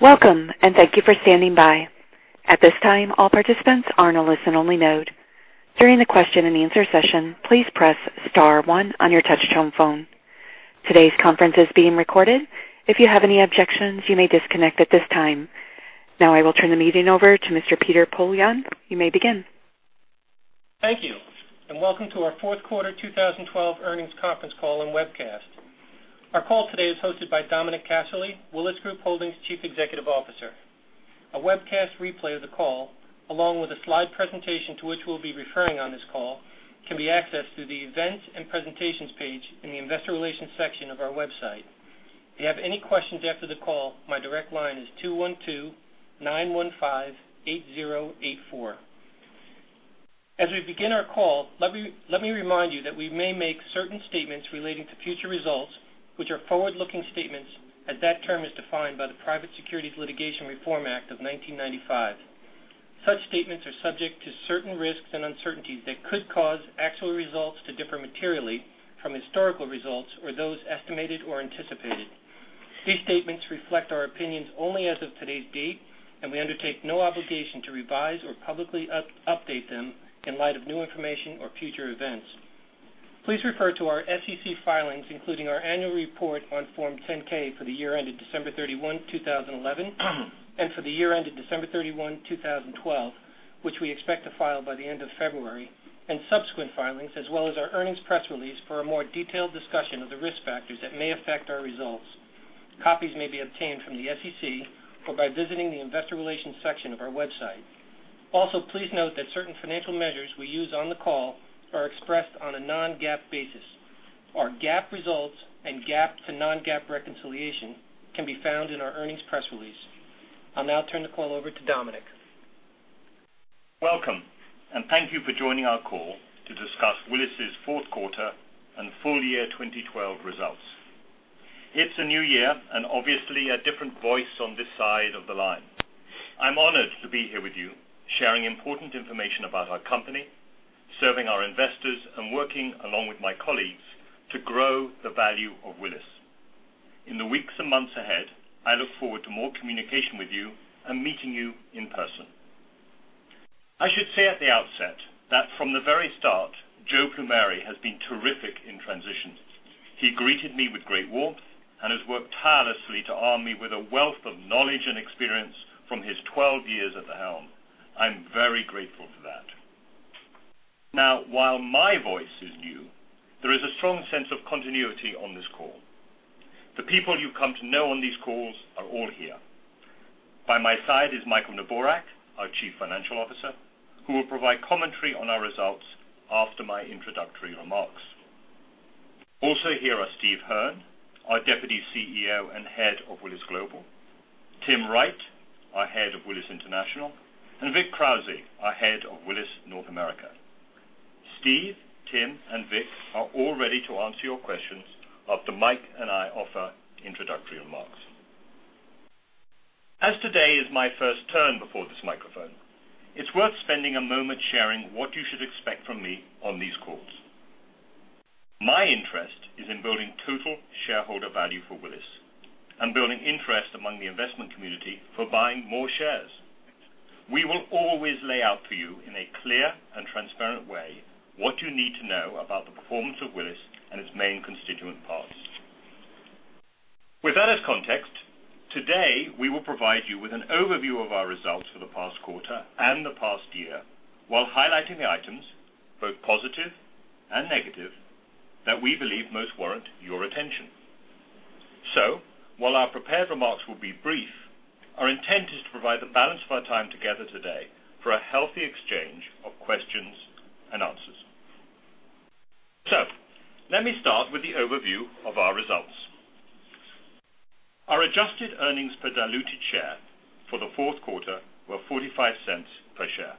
Welcome. Thank you for standing by. At this time, all participants are in a listen-only mode. During the question and answer session, please press star one on your touch-tone phone. Today's conference is being recorded. If you have any objections, you may disconnect at this time. Now I will turn the meeting over to Mr. Peter Polion. You may begin. Thank you. Welcome to our fourth quarter 2012 earnings conference call and webcast. Our call today is hosted by Dominic Casserley, Willis Group Holdings Chief Executive Officer. A webcast replay of the call, along with a slide presentation to which we'll be referring on this call, can be accessed through the Events and Presentations page in the investor relations section of our website. If you have any questions after the call, my direct line is 212-915-8084. As we begin our call, let me remind you that we may make certain statements relating to future results, which are forward-looking statements as that term is defined by the Private Securities Litigation Reform Act of 1995. Such statements are subject to certain risks and uncertainties that could cause actual results to differ materially from historical results or those estimated or anticipated. These statements reflect our opinions only as of today's date. We undertake no obligation to revise or publicly update them in light of new information or future events. Please refer to our SEC filings, including our annual report on Form 10-K for the year ended December 31, 2011, and for the year ended December 31, 2012, which we expect to file by the end of February, and subsequent filings, as well as our earnings press release for a more detailed discussion of the risk factors that may affect our results. Copies may be obtained from the SEC or by visiting the investor relations section of our website. Please note that certain financial measures we use on the call are expressed on a non-GAAP basis. Our GAAP results and GAAP to non-GAAP reconciliation can be found in our earnings press release. I'll now turn the call over to Dominic. Welcome. Thank you for joining our call to discuss Willis' fourth quarter and full year 2012 results. It's a new year and obviously a different voice on this side of the line. I'm honored to be here with you, sharing important information about our company, serving our investors, and working along with my colleagues to grow the value of Willis. In the weeks and months ahead, I look forward to more communication with you and meeting you in person. I should say at the outset that from the very start, Joe Plumeri has been terrific in transition. He greeted me with great warmth and has worked tirelessly to arm me with a wealth of knowledge and experience from his 12 years at the helm. I'm very grateful for that. While my voice is new, there is a strong sense of continuity on this call. The people you've come to know on these calls are all here. By my side is Michael Neborak, our Chief Financial Officer, who will provide commentary on our results after my introductory remarks. Also here are Steve Hearn, our Deputy CEO and Head of Willis Global, Tim Wright, our Head of Willis International, and Vic Krauze, our Head of Willis North America. Steve, Tim, and Vic are all ready to answer your questions after Mike and I offer introductory remarks. As today is my first turn before this microphone, it's worth spending a moment sharing what you should expect from me on these calls. My interest is in building total shareholder value for Willis and building interest among the investment community for buying more shares. We will always lay out for you in a clear and transparent way what you need to know about the performance of Willis and its main constituent parts. With that as context, today, we will provide you with an overview of our results for the past quarter and the past year while highlighting the items, both positive and negative, that we believe most warrant your attention. While our prepared remarks will be brief, our intent is to provide the balance of our time together today for a healthy exchange of questions and answers. Let me start with the overview of our results. Our adjusted earnings per diluted share for the fourth quarter were $0.45 per share.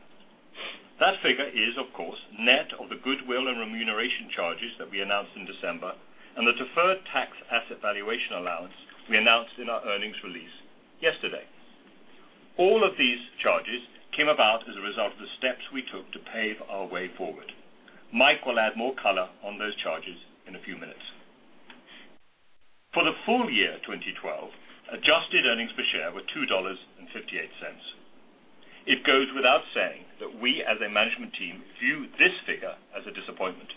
That figure is, of course, net of the goodwill and remuneration charges that we announced in December and the deferred tax asset valuation allowance we announced in our earnings release yesterday. All of these charges came about as a result of the steps we took to pave our way forward. Mike will add more color on those charges in a few minutes. For the full year 2012, adjusted earnings per share were $2.58. It goes without saying that we, as a management team, view this figure as a disappointment.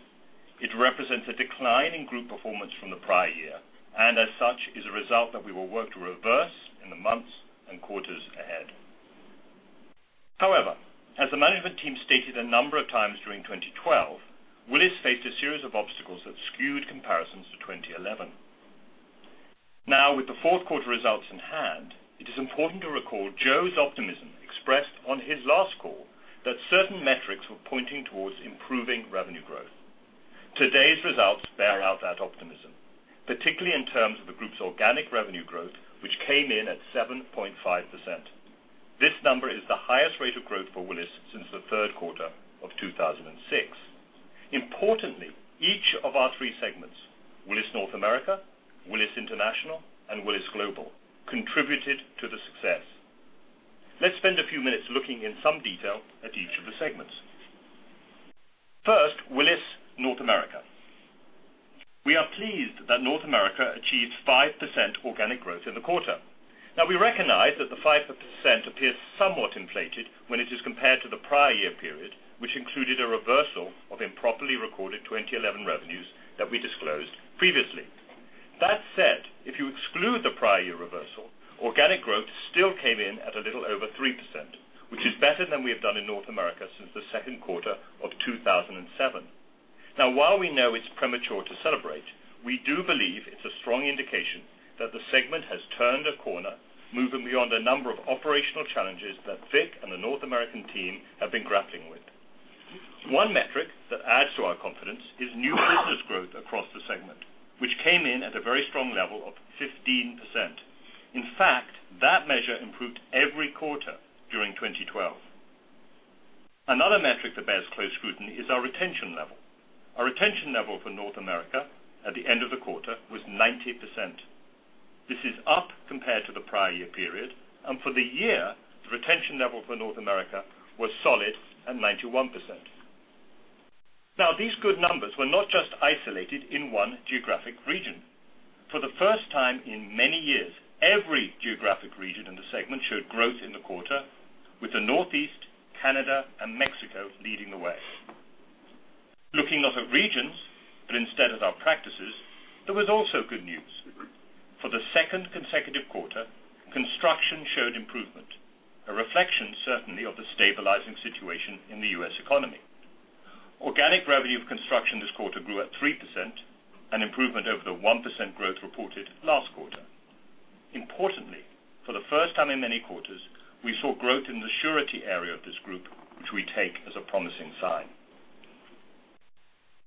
It represents a decline in group performance from the prior year, and as such, is a result that we will work to reverse in the months and quarters ahead. However, as the management team stated a number of times during 2012, Willis faced a series of obstacles that skewed comparisons to 2011. With the fourth quarter results in hand, it is important to recall Joe's optimism expressed on his last call that certain metrics were pointing towards improving revenue growth. Today's results bear out that optimism, particularly in terms of the group's organic revenue growth, which came in at 7.5%. This number is the highest rate of growth for Willis since the third quarter of 2006. Importantly, each of our three segments, Willis North America, Willis International, and Willis Global, contributed to the success. Let's spend a few minutes looking in some detail at each of the segments. First, Willis North America. We are pleased that North America achieved 5% organic growth in the quarter. We recognize that the 5% appears somewhat inflated when it is compared to the prior year period, which included a reversal of improperly recorded 2011 revenues that we disclosed previously. That said, if you exclude the prior year reversal, organic growth still came in at a little over 3%, which is better than we have done in North America since the second quarter of 2007. While we know it's premature to celebrate, we do believe it's a strong indication that the segment has turned a corner, moving beyond a number of operational challenges that Vic and the North American team have been grappling with. One metric that adds to our confidence is new business growth across the segment, which came in at a very strong level of 15%. In fact, that measure improved every quarter during 2012. Another metric that bears close scrutiny is our retention level. Our retention level for North America at the end of the quarter was 90%. This is up compared to the prior year period. For the year, the retention level for North America was solid at 91%. These good numbers were not just isolated in one geographic region. For the first time in many years, every geographic region in the segment showed growth in the quarter with the Northeast, Canada, and Mexico leading the way. Looking not at regions, but instead at our practices, there was also good news. For the second consecutive quarter, construction showed improvement, a reflection certainly of the stabilizing situation in the U.S. economy. Organic revenue of construction this quarter grew at 3%, an improvement over the 1% growth reported last quarter. Importantly, for the first time in many quarters, we saw growth in the surety area of this group, which we take as a promising sign.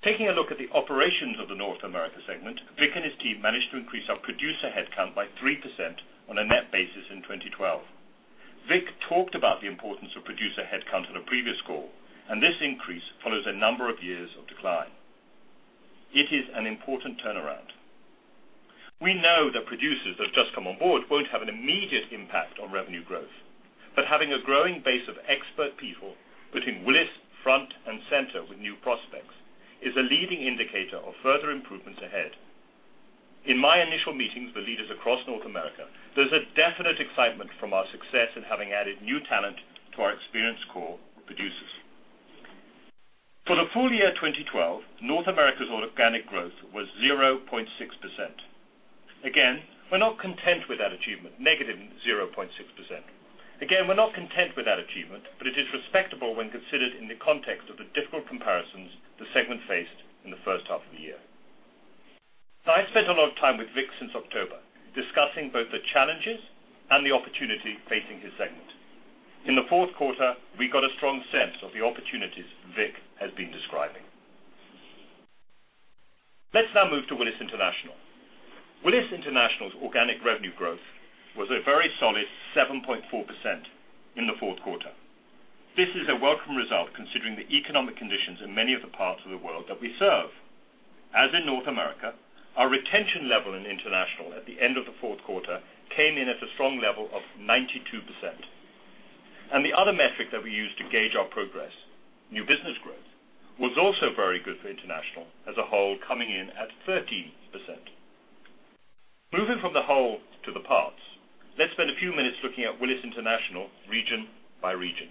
Taking a look at the operations of the North America segment, Vic and his team managed to increase our producer headcount by 3% on a net basis in 2012. Vic talked about the importance of producer headcount at a previous call. This increase follows a number of years of decline. It is an important turnaround. We know that producers that have just come on board won't have an immediate impact on revenue growth, but having a growing base of expert people putting Willis front and center with new prospects is a leading indicator of further improvements ahead. In my initial meetings with leaders across North America, there's a definite excitement from our success in having added new talent to our experienced corps of producers. For the full year 2012, North America's organic growth was 0.6%. Again, we're not content with that achievement. Negative 0.6%. Again, we're not content with that achievement. It is respectable when considered in the context of the difficult comparisons the segment faced in the first half of the year. I've spent a lot of time with Vic since October, discussing both the challenges and the opportunity facing his segment. In the fourth quarter, we got a strong sense of the opportunities Vic has been describing. Let's now move to Willis International. Willis International's organic revenue growth was a very solid 7.4% in the fourth quarter. This is a welcome result considering the economic conditions in many of the parts of the world that we serve. As in North America, our retention level in International at the end of the fourth quarter came in at a strong level of 92%. The other metric that we use to gauge our progress, new business growth, was also very good for International as a whole, coming in at 13%. Moving from the whole to the parts, let's spend a few minutes looking at Willis International region by region.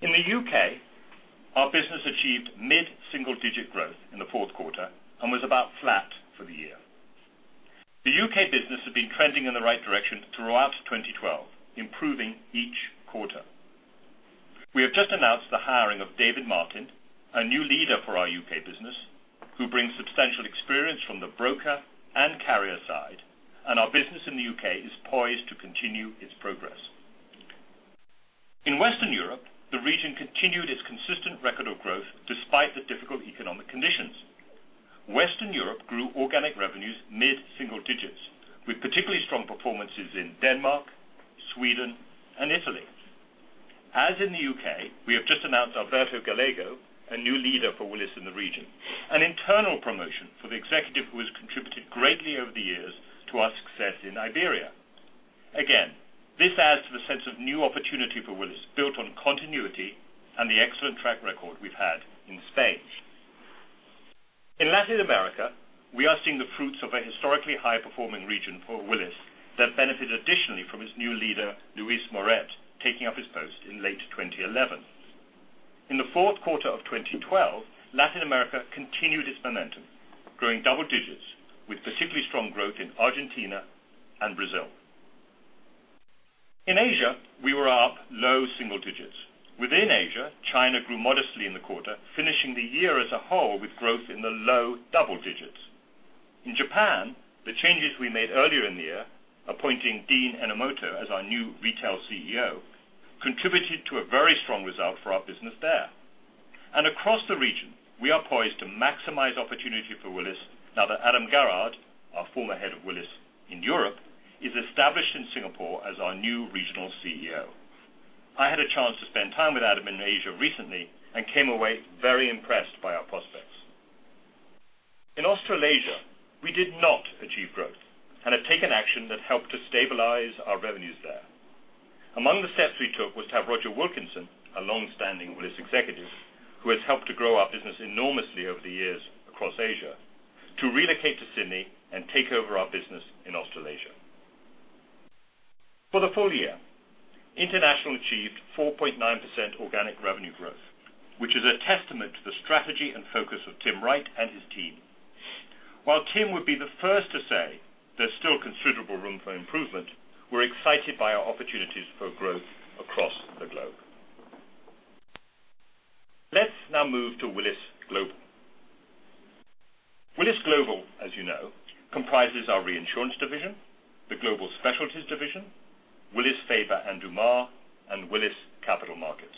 In the U.K., our business achieved mid-single digit growth in the fourth quarter and was about flat for the year. The U.K. business had been trending in the right direction throughout 2012, improving each quarter. We have just announced the hiring of David Martin, a new leader for our U.K. business, who brings substantial experience from the broker and carrier side, and our business in the U.K. is poised to continue its progress. In Western Europe, the region continued its consistent record of growth despite the difficult economic conditions. Western Europe grew organic revenues mid-single digits, with particularly strong performances in Denmark, Sweden, and Italy. As in the U.K., we have just announced Alberto Gallego, a new leader for Willis in the region, an internal promotion for the executive who has contributed greatly over the years to our success in Iberia. Again, this adds to the sense of new opportunity for Willis, built on continuity and the excellent track record we've had in Spain. In Latin America, we are seeing the fruits of a historically high-performing region for Willis that benefited additionally from its new leader, Luis Morais, taking up his post in late 2011. In the fourth quarter of 2012, Latin America continued its momentum, growing double digits with particularly strong growth in Argentina and Brazil. In Asia, we were up low single digits. Within Asia, China grew modestly in the quarter, finishing the year as a whole with growth in the low double digits. In Japan, the changes we made earlier in the year, appointing Dean Enomoto as our new Retail CEO, contributed to a very strong result for our business there. Across the region, we are poised to maximize opportunity for Willis now that Adam Garrard, our former head of Willis in Europe, is established in Singapore as our new Regional CEO. I had a chance to spend time with Adam in Asia recently and came away very impressed by our prospects. In Australasia, we did not achieve growth and have taken action that helped to stabilize our revenues there. Among the steps we took was to have Roger Wilkinson, a longstanding Willis executive, who has helped to grow our business enormously over the years across Asia, to relocate to Sydney and take over our business in Australasia. For the full year, International achieved 4.9% organic revenue growth, which is a testament to the strategy and focus of Tim Wright and his team. While Tim would be the first to say there's still considerable room for improvement, we're excited by our opportunities for growth across the globe. Let's now move to Willis Global. Willis Global, as you know, comprises our reinsurance division, the Global Specialties division, Willis, Faber & Dumas, and Willis Capital Markets.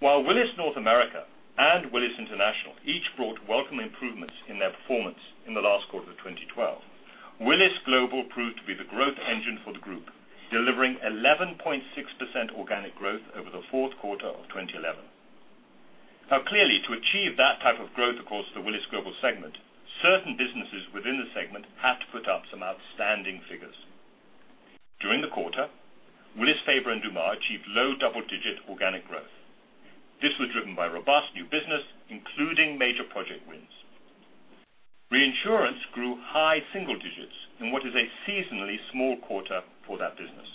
While Willis North America and Willis International each brought welcome improvements in their performance in the last quarter of 2012, Willis Global proved to be the growth engine for the group, delivering 11.6% organic growth over the fourth quarter of 2011. Clearly, to achieve that type of growth across the Willis Global segment, certain businesses within the segment had to put up some outstanding figures. During the quarter, Willis, Faber & Dumas achieved low double-digit organic growth. This was driven by robust new business, including major project wins. Reinsurance grew high single digits in what is a seasonally small quarter for that business.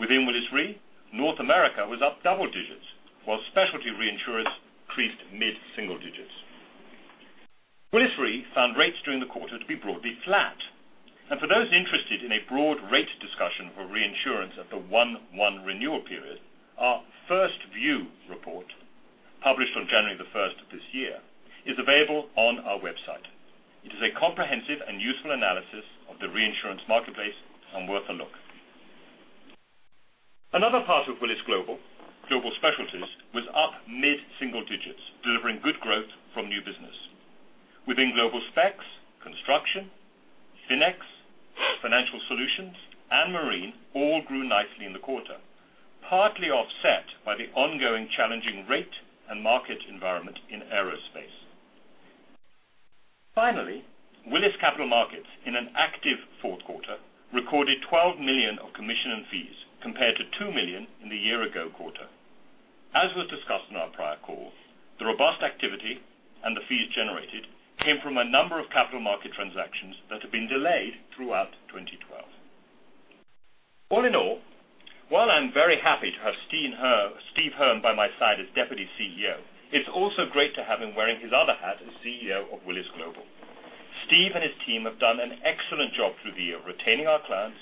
Within Willis Re, North America was up double digits, while specialty reinsurers increased mid-single digits. Willis Re found rates during the quarter to be broadly flat. For those interested in a broad rate discussion for reinsurance at the 1/1 renewal period, our 1st View report, published on January 1st of this year, is available on our website. It is a comprehensive and useful analysis of the reinsurance marketplace and worth a look. Another part of Willis Global Specialties, was up mid-single digits, delivering good growth from new business. Within Global Specs, Construction, FINEX, Financial Solutions, and Marine all grew nicely in the quarter, partly offset by the ongoing challenging rate and market environment in aerospace. Finally, Willis Capital Markets, in an active fourth quarter, recorded $12 million of commission and fees, compared to $2 million in the year ago quarter. As was discussed on our prior call, the robust activity and the fees generated came from a number of capital market transactions that had been delayed throughout 2012. All in all, while I'm very happy to have Steve Hearn by my side as Deputy Chief Executive Officer, it's also great to have him wearing his other hat as CEO of Willis Global. Steve and his team have done an excellent job through the year, retaining our clients,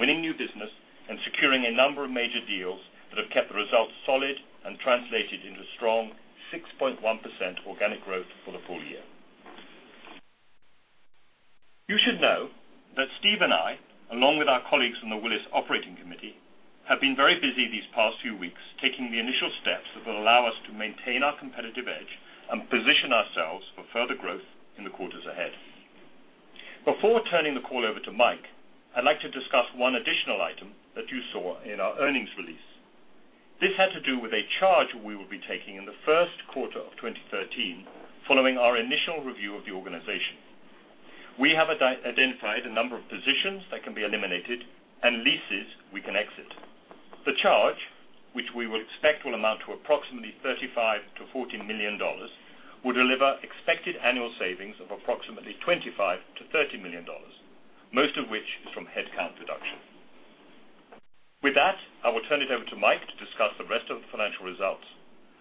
winning new business, and securing a number of major deals that have kept the results solid and translated into strong 6.1% organic growth for the full year. You should know that Steve and I, along with our colleagues on the Willis Operating Committee, have been very busy these past few weeks, taking the initial steps that will allow us to maintain our competitive edge and position ourselves for further growth in the quarters ahead. Before turning the call over to Mike, I'd like to discuss one additional item that you saw in our earnings release. This had to do with a charge we will be taking in the first quarter of 2013, following our initial review of the organization. We have identified a number of positions that can be eliminated and leases we can exit. The charge, which we will expect will amount to approximately $35 million-$45 million, will deliver expected annual savings of approximately $35 million-$40 million, most of which is from headcount reduction. With that, I will turn it over to Mike to discuss the rest of the financial results.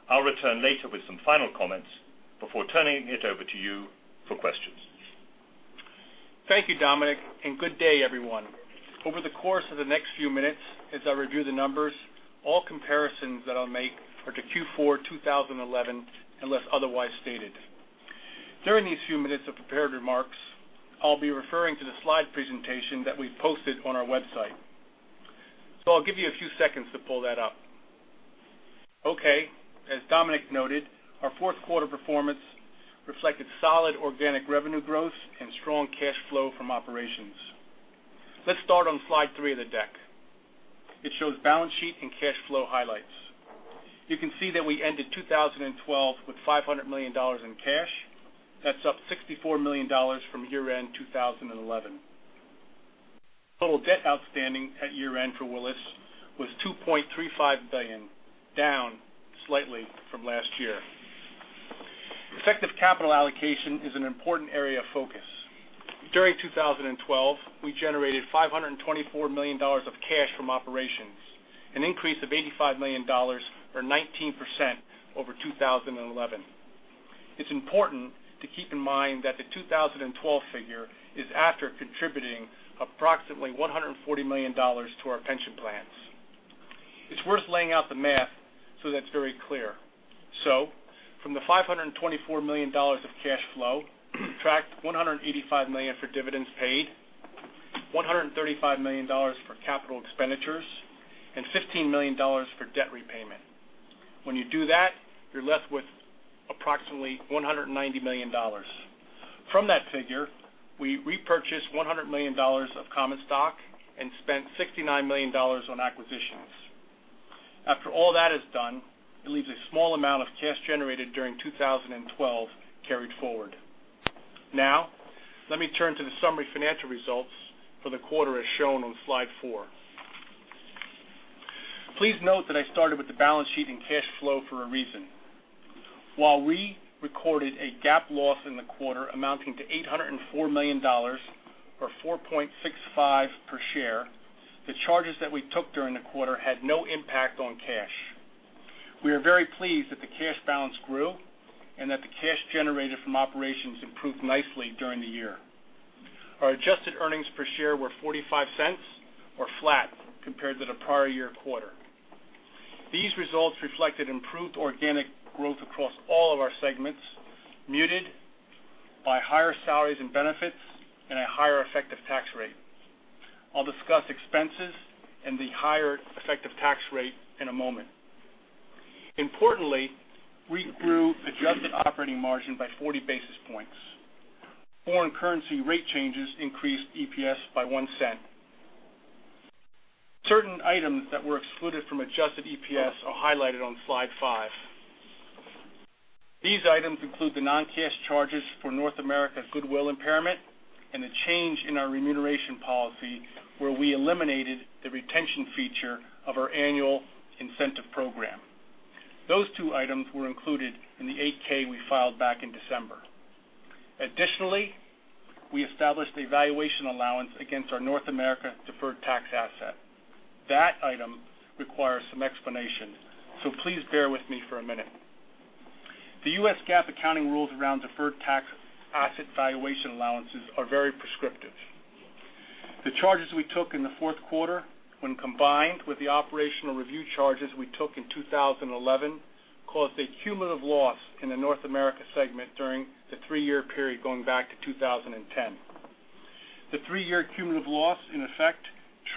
I'll return later with some final comments before turning it over to you for questions. Thank you, Dominic, and good day, everyone. Over the course of the next few minutes, as I review the numbers, all comparisons that I'll make are to Q4 2011, unless otherwise stated. During these few minutes of prepared remarks, I'll be referring to the slide presentation that we've posted on our website. I'll give you a few seconds to pull that up. Okay. As Dominic noted, our fourth quarter performance reflected solid organic revenue growth and strong cash flow from operations. Let's start on slide three of the deck. It shows balance sheet and cash flow highlights. You can see that we ended 2012 with $500 million in cash. That's up $64 million from year-end 2011. Total debt outstanding at year-end for Willis was $2.35 billion, down slightly from last year. Effective capital allocation is an important area of focus. During 2012, we generated $524 million of cash from operations, an increase of $85 million, or 19%, over 2011. It's important to keep in mind that the 2012 figure is after contributing approximately $140 million to our pension plans. It's worth laying out the math so that's very clear. From the $524 million of cash flow, subtract $185 million for dividends paid, $135 million for capital expenditures, and $15 million for debt repayment. When you do that, you're left with approximately $190 million. From that figure, we repurchased $100 million of common stock and spent $69 million on acquisitions. After all that is done, it leaves a small amount of cash generated during 2012 carried forward. Let me turn to the summary financial results for the quarter as shown on slide four. Please note that I started with the balance sheet and cash flow for a reason. While we recorded a GAAP loss in the quarter amounting to $804 million, or $4.65 per share, the charges that we took during the quarter had no impact on cash. We are very pleased that the cash balance grew and that the cash generated from operations improved nicely during the year. Our adjusted earnings per share were $0.45, or flat compared to the prior year quarter. These results reflected improved organic growth across all of our segments, muted by higher salaries and benefits, and a higher effective tax rate. I'll discuss expenses and the higher effective tax rate in a moment. Importantly, we grew adjusted operating margin by 40 basis points. Foreign currency rate changes increased EPS by $0.01. Certain items that were excluded from adjusted EPS are highlighted on slide five. These items include the non-cash charges for North America goodwill impairment and a change in our remuneration policy, where we eliminated the retention feature of our annual incentive program. Those two items were included in the 8-K we filed back in December. Additionally, we established a valuation allowance against our North America deferred tax asset. That item requires some explanation, so please bear with me for a minute. The U.S. GAAP accounting rules around deferred tax asset valuation allowances are very prescriptive. The charges we took in the fourth quarter, when combined with the operational review charges we took in 2011, caused a cumulative loss in the North America segment during the three-year period going back to 2010. The three-year cumulative loss, in effect,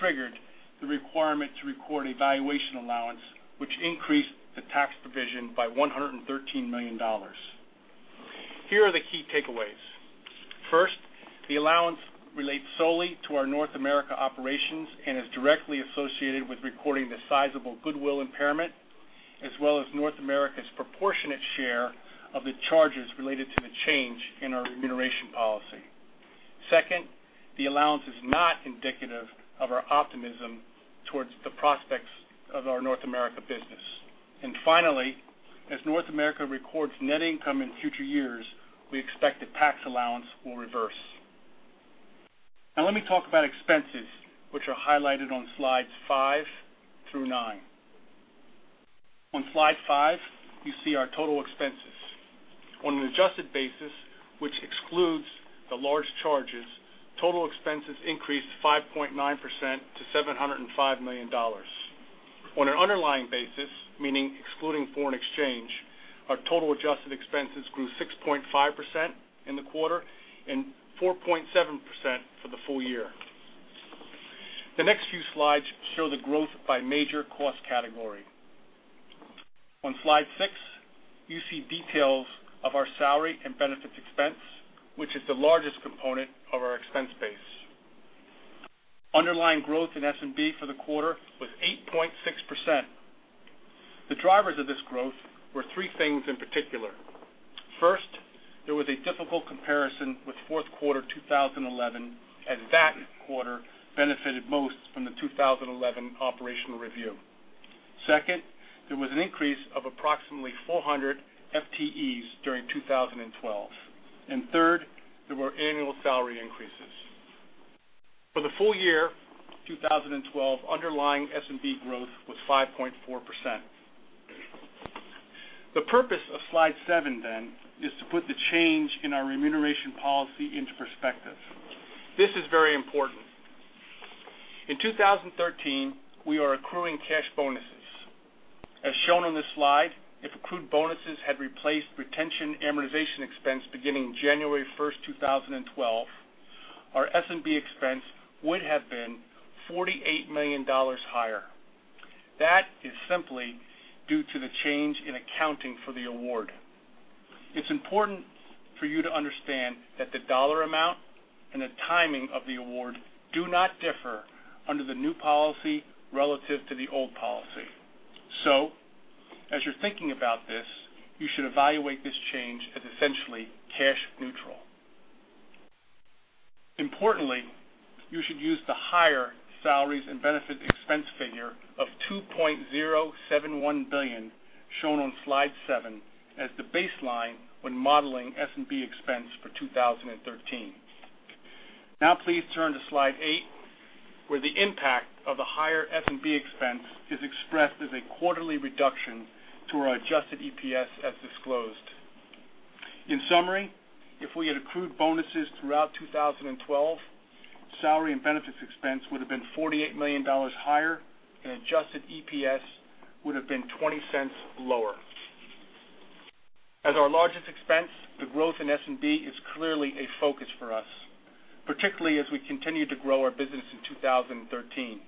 triggered the requirement to record a valuation allowance, which increased the tax provision by $113 million. Here are the key takeaways. First, the allowance relates solely to our North America operations and is directly associated with recording the sizable goodwill impairment, as well as North America's proportionate share of the charges related to the change in our remuneration policy. Second, the allowance is not indicative of our optimism towards the prospects of our North America business. Finally, as North America records net income in future years, we expect the tax allowance will reverse. Let me talk about expenses, which are highlighted on slides five through nine. On slide five, you see our total expenses. On an adjusted basis, which excludes the large charges, total expenses increased 5.9% to $705 million. On an underlying basis, meaning excluding foreign exchange, our total adjusted expenses grew 6.5% in the quarter and 4.7% for the full year. The next few slides show the growth by major cost category. On slide six, you see details of our salary and benefits expense, which is the largest component of our expense base. Underlying growth in S&B for the quarter was 8.6%. The drivers of this growth were three things in particular. First, there was a difficult comparison with fourth quarter 2011, as that quarter benefited most from the 2011 operational review. Second, there was an increase of approximately 400 FTEs during 2012. Third, there were annual salary increases. For the full year 2012, underlying S&B growth was 5.4%. The purpose of slide seven is to put the change in our remuneration policy into perspective. This is very important. In 2013, we are accruing cash bonuses. As shown on this slide, if accrued bonuses had replaced retention amortization expense beginning January 1st, 2012, our S&B expense would have been $48 million higher. That is simply due to the change in accounting for the award. It's important for you to understand that the dollar amount and the timing of the award do not differ under the new policy relative to the old policy. As you're thinking about this, you should evaluate this change as essentially cash neutral. Importantly, you should use the higher salaries and benefit expense figure of $2.071 billion shown on slide seven as the baseline when modeling S&B expense for 2013. Please turn to slide eight, where the impact of the higher S&B expense is expressed as a quarterly reduction to our adjusted EPS as disclosed. In summary, if we had accrued bonuses throughout 2012, salary and benefits expense would've been $48 million higher, and adjusted EPS would've been $0.20 lower. As our largest expense, the growth in S&B is clearly a focus for us, particularly as we continue to grow our business in 2013.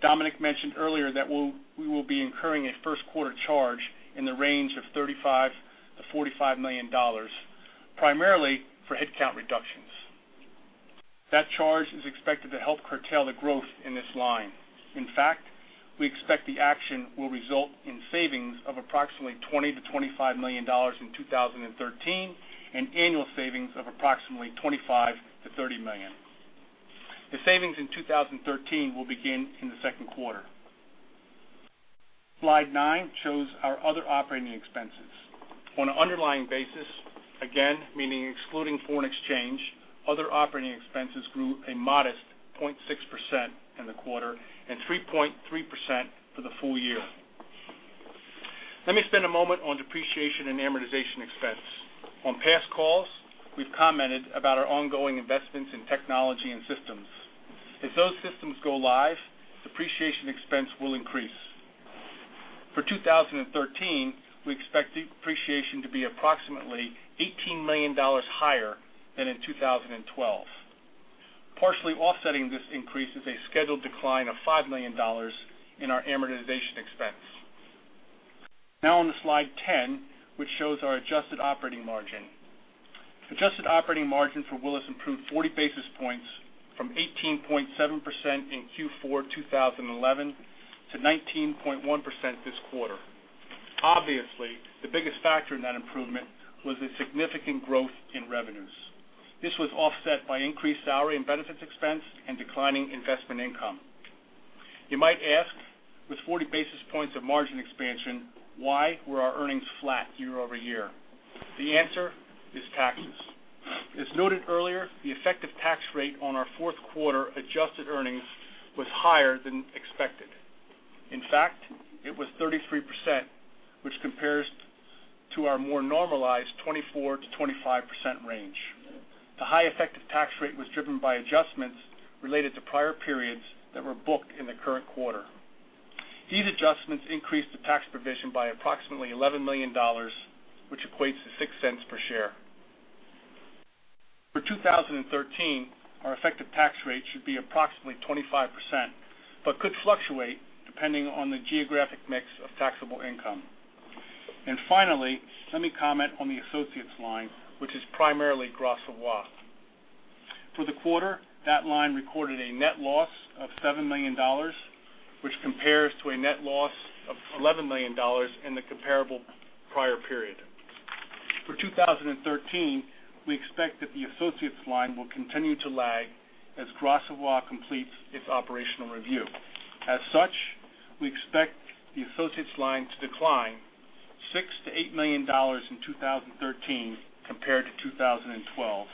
Dominic mentioned earlier that we will be incurring a first quarter charge in the range of $35 million-$45 million, primarily for headcount reductions. That charge is expected to help curtail the growth in this line. In fact, we expect the action will result in savings of approximately $20 million-$25 million in 2013 and annual savings of approximately $25 million-$30 million. The savings in 2013 will begin in the second quarter. Slide nine shows our other operating expenses. On an underlying basis, again, meaning excluding foreign exchange, other operating expenses grew a modest 0.6% in the quarter and 3.3% for the full year. Let me spend a moment on depreciation and amortization expense. On past calls, we've commented about our ongoing investments in technology and systems. As those systems go live, depreciation expense will increase. For 2013, we expect depreciation to be approximately $18 million higher than in 2012. Partially offsetting this increase is a scheduled decline of $5 million in our amortization expense. Now on to slide 10, which shows our adjusted operating margin. Adjusted operating margin for Willis improved 40 basis points from 18.7% in Q4 2011 to 19.1% this quarter. Obviously, the biggest factor in that improvement was the significant growth in revenues. This was offset by increased salary and benefits expense and declining investment income. You might ask, with 40 basis points of margin expansion, why were our earnings flat year-over-year? The answer is taxes. As noted earlier, the effective tax rate on our fourth quarter adjusted earnings was higher than expected. In fact, it was 33%, which compares to our more normalized 24%-25% range. The high effective tax rate was driven by adjustments related to prior periods that were booked in the current quarter. These adjustments increased the tax provision by approximately $11 million, which equates to $0.06 per share. For 2013, our effective tax rate should be approximately 25%, but could fluctuate depending on the geographic mix of taxable income. Finally, let me comment on the associates line, which is primarily Gras Savoye. For the quarter, that line recorded a net loss of $7 million, which compares to a net loss of $11 million in the comparable prior period. For 2013, we expect that the associates line will continue to lag as Gras Savoye completes its operational review. As such, we expect the associates line to decline $6 million-$8 million in 2013 compared to 2012,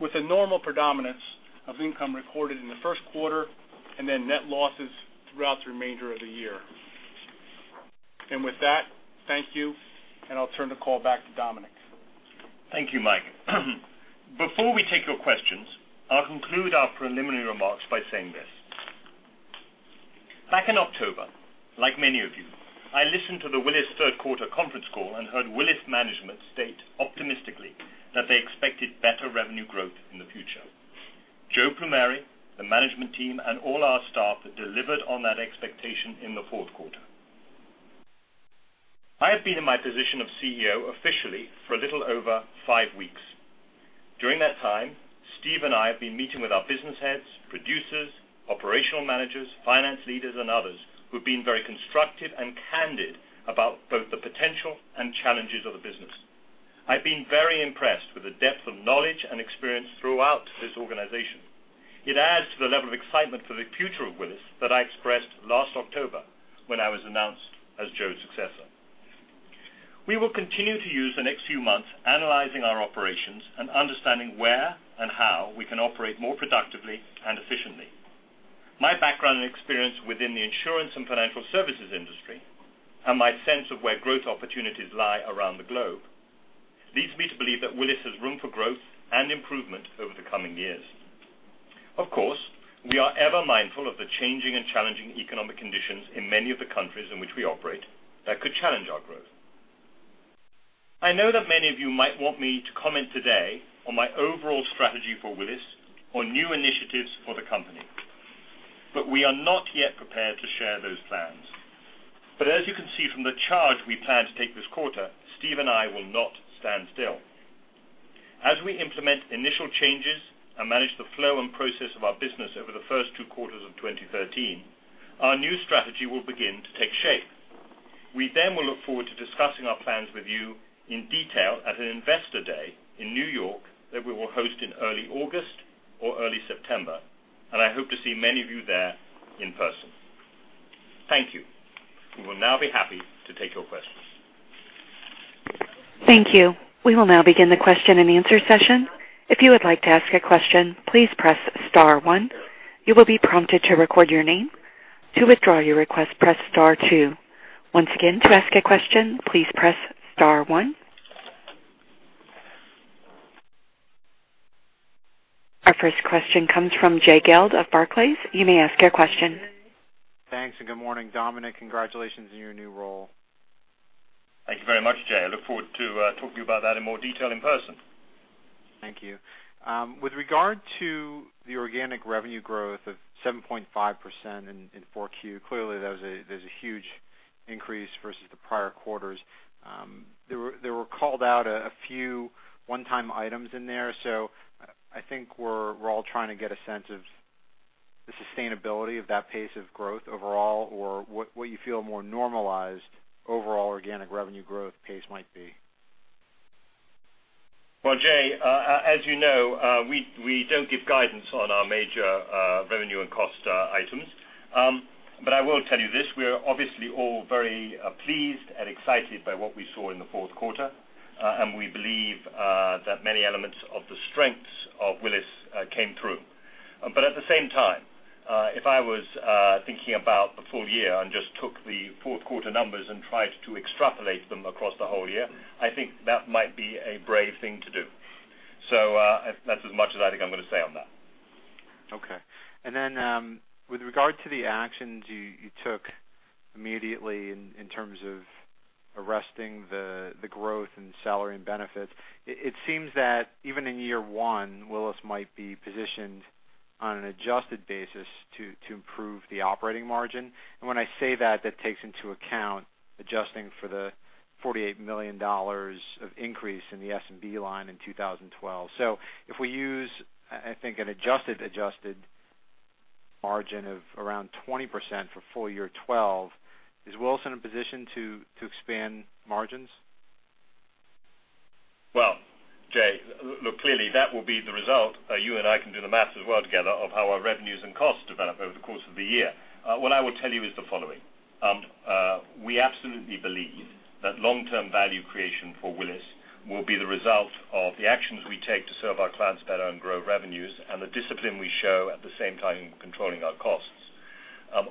with a normal predominance of income recorded in the first quarter, then net losses throughout the remainder of the year. With that, thank you, and I'll turn the call back to Dominic. Thank you, Mike. Before we take your questions, I'll conclude our preliminary remarks by saying this. Back in October, like many of you, I listened to the Willis third quarter conference call and heard Willis management state optimistically that they expected better revenue growth in the future. Joe Plumeri, the management team, and all our staff delivered on that expectation in the fourth quarter. I have been in my position of CEO officially for a little over five weeks. During that time, Steve and I have been meeting with our business heads, producers, operational managers, finance leaders, and others who've been very constructive and candid about both the potential and challenges of the business. I've been very impressed with the depth of knowledge and experience throughout this organization. It adds to the level of excitement for the future of Willis that I expressed last October when I was announced as Joe's successor. We will continue to use the next few months analyzing our operations and understanding where and how we can operate more productively and efficiently. My background and experience within the insurance and financial services industry, and my sense of where growth opportunities lie around the globe, leads me to believe that Willis has room for growth and improvement over the coming years. Of course, we are ever mindful of the changing and challenging economic conditions in many of the countries in which we operate that could challenge our growth. I know that many of you might want me to comment today on my overall strategy for Willis or new initiatives for the company, we are not yet prepared to share those plans. As you can see from the charge we plan to take this quarter, Steve and I will not stand still. As we implement initial changes and manage the flow and process of our business over the first two quarters of 2013, our new strategy will begin to take shape. We will look forward to discussing our plans with you in detail at an investor day in New York that we will host in early August or early September, and I hope to see many of you there in person. Thank you. We will now be happy to take your questions. Thank you. We will now begin the question and answer session. If you would like to ask a question, please press star one. You will be prompted to record your name. To withdraw your request, press star two. Once again, to ask a question, please press star one. Our first question comes from Jay Gelb of Barclays. You may ask your question. Thanks, good morning. Dominic, congratulations on your new role. Thank you very much, Jay. I look forward to talking to you about that in more detail in person. Thank you. With regard to the organic revenue growth of 7.5% in Q4, clearly, there's a huge increase versus the prior quarters. There were called out a few one-time items in there. I think we're all trying to get a sense of the sustainability of that pace of growth overall, or what you feel a more normalized overall organic revenue growth pace might be? Well, Jay, as you know, we don't give guidance on our major revenue and cost items. I will tell you this, we are obviously all very pleased and excited by what we saw in the fourth quarter. We believe that many elements of the strengths of Willis came through. At the same time, if I was thinking about the full year and just took the fourth quarter numbers and tried to extrapolate them across the whole year, I think that might be a brave thing to do. That's as much as I think I'm going to say on that. With regard to the actions you took immediately in terms of arresting the growth in salary and benefits, it seems that even in year one, Willis might be positioned on an adjusted basis to improve the operating margin. When I say that takes into account adjusting for the $48 million of increase in the S&B line in 2012. If we use, I think, an adjusted margin of around 20% for full year 2012, is Willis in a position to expand margins? Jay, look, clearly that will be the result. You and I can do the math as well together of how our revenues and costs develop over the course of the year. What I will tell you is the following. We absolutely believe that long-term value creation for Willis will be the result of the actions we take to serve our clients better and grow revenues and the discipline we show at the same time controlling our costs.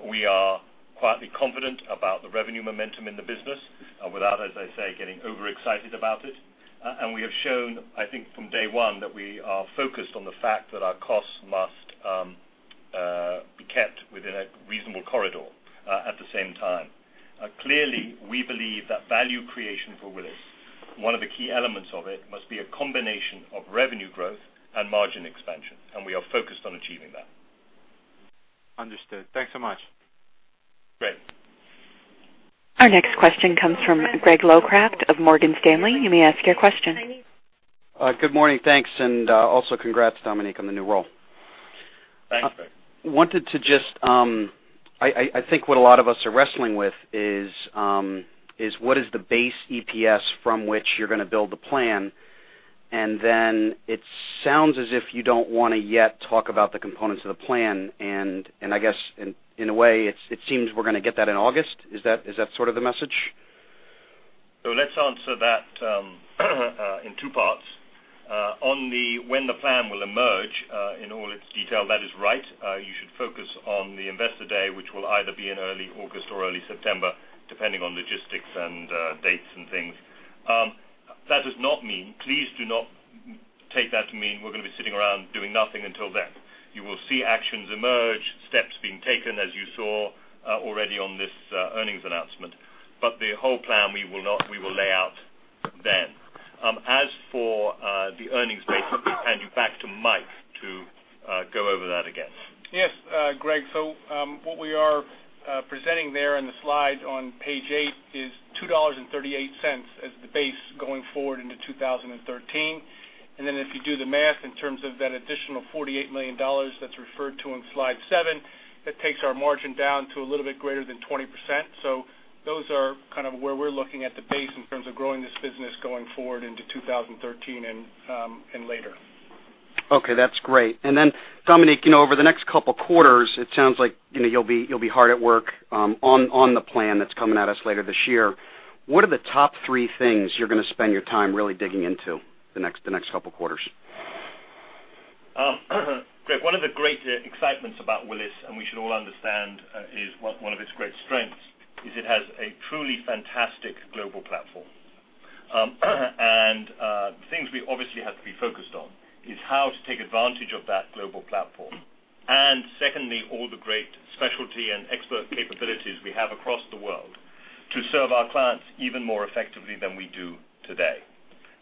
We are quietly confident about the revenue momentum in the business without, as I say, getting overexcited about it. We have shown, I think, from day one that we are focused on the fact that our costs must be kept within a reasonable corridor at the same time. Clearly, we believe that value creation for Willis, one of the key elements of it must be a combination of revenue growth and margin expansion, and we are focused on achieving that. Understood. Thanks so much. Great. Our next question comes from Greg Locraft of Morgan Stanley. You may ask your question. Good morning. Thanks, and also congrats, Dominic, on the new role. Thanks, Greg. I think what a lot of us are wrestling with is what is the base EPS from which you're going to build the plan, and then it sounds as if you don't want to yet talk about the components of the plan, and I guess in a way, it seems we're going to get that in August. Is that sort of the message? Let's answer that in two parts. On when the plan will emerge in all its detail, that is right. You should focus on the Investor Day, which will either be in early August or early September, depending on logistics and dates and things. Please do not take that to mean we're going to be sitting around doing nothing until then. You will see actions emerge, steps being taken, as you saw already on this earnings announcement. The whole plan we will lay out then. As for the earnings base, let me hand you back to Mike to go over that again. Yes, Greg. What we are presenting there in the slide on page eight is $2.38 as the base going forward into 2013. If you do the math in terms of that additional $48 million that's referred to on slide seven, that takes our margin down to a little bit greater than 20%. Those are where we're looking at the base in terms of growing this business going forward into 2013 and later. Okay, that's great. Dominic, over the next couple of quarters, it sounds like you'll be hard at work on the plan that's coming at us later this year. What are the top three things you're going to spend your time really digging into the next couple of quarters? Greg, one of the great excitements about Willis, we should all understand, is one of its great strengths is it has a truly fantastic global platform. The things we obviously have to be focused on is how to take advantage of that global platform. Secondly, all the great specialty and expert capabilities we have across the world to serve our clients even more effectively than we do today.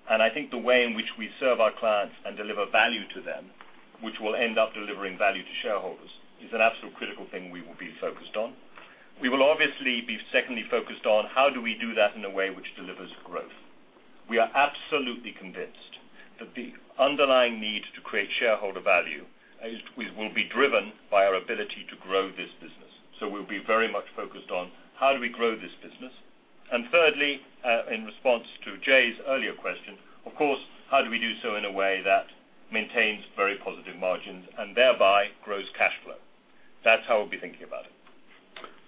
I think the way in which we serve our clients and deliver value to them, which will end up delivering value to shareholders, is an absolute critical thing we will be focused on. We will obviously be secondly focused on how do we do that in a way which delivers growth. We are absolutely convinced that the underlying need to create shareholder value will be driven by our ability to grow this business. We'll be very much focused on how do we grow this business. Thirdly, in response to Jay's earlier question, of course, how do we do so in a way that maintains very positive margins and thereby grows cash flow? That's how we'll be thinking about it.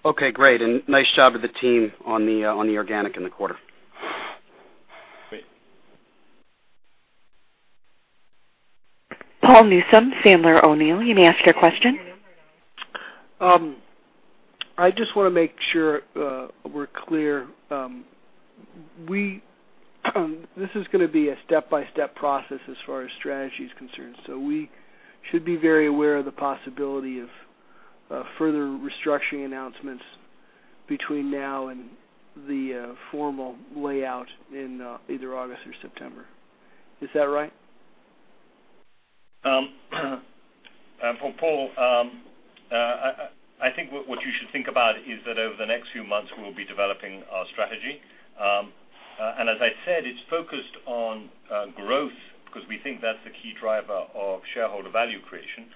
Okay, great. Nice job with the team on the organic in the quarter. Great. Paul Newsome, Sandler O'Neill, you may ask your question. I just want to make sure we're clear. This is going to be a step-by-step process as far as strategy is concerned. We should be very aware of the possibility of further restructuring announcements between now and the formal layout in either August or September. Is that right? Paul, I think what you should think about is that over the next few months, we will be developing our strategy. As I said, it's focused on growth because we think that's the key driver of shareholder value creation,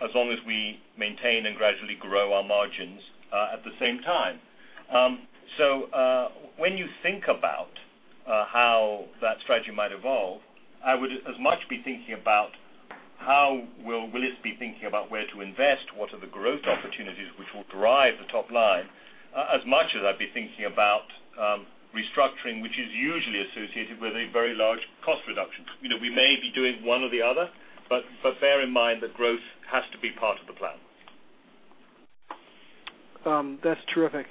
as long as we maintain and gradually grow our margins at the same time. When you think about how that strategy might evolve, I would as much be thinking about how Willis be thinking about where to invest, what are the growth opportunities which will drive the top line, as much as I'd be thinking about restructuring, which is usually associated with a very large cost reduction. We may be doing one or the other, but bear in mind that growth has to be part of the plan. That's terrific.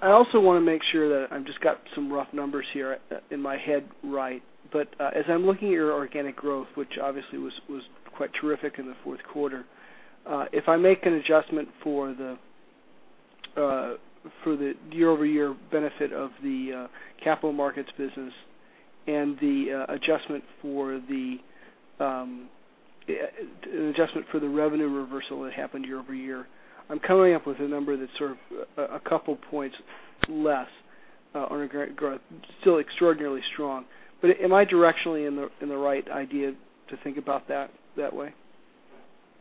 I also want to make sure that I've just got some rough numbers here in my head right. As I'm looking at your organic growth, which obviously was quite terrific in the fourth quarter. If I make an adjustment for the year-over-year benefit of the Capital Markets business and the adjustment for the revenue reversal that happened year-over-year, I'm coming up with a number that's sort of a couple points less on organic growth, still extraordinarily strong. Am I directionally in the right idea to think about that that way?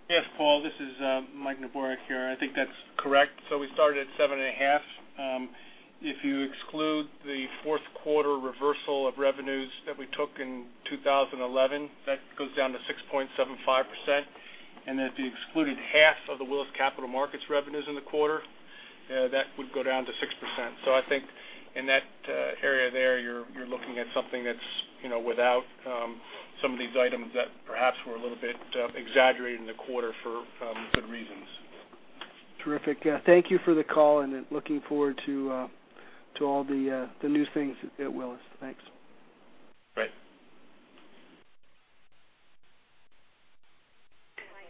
Yes, Paul, this is Michael Neborak here. I think that's correct. We started at 7.5. If you exclude the fourth quarter reversal of revenues that we took in 2011, that goes down to 6.75%. If you excluded half of the Willis Capital Markets revenues in the quarter, that would go down to 6%. I think in that area there, you're looking at something that's without some of these items that perhaps were a little bit exaggerated in the quarter for good reasons. Terrific. Thank you for the call, looking forward to all the new things at Willis. Thanks. Great.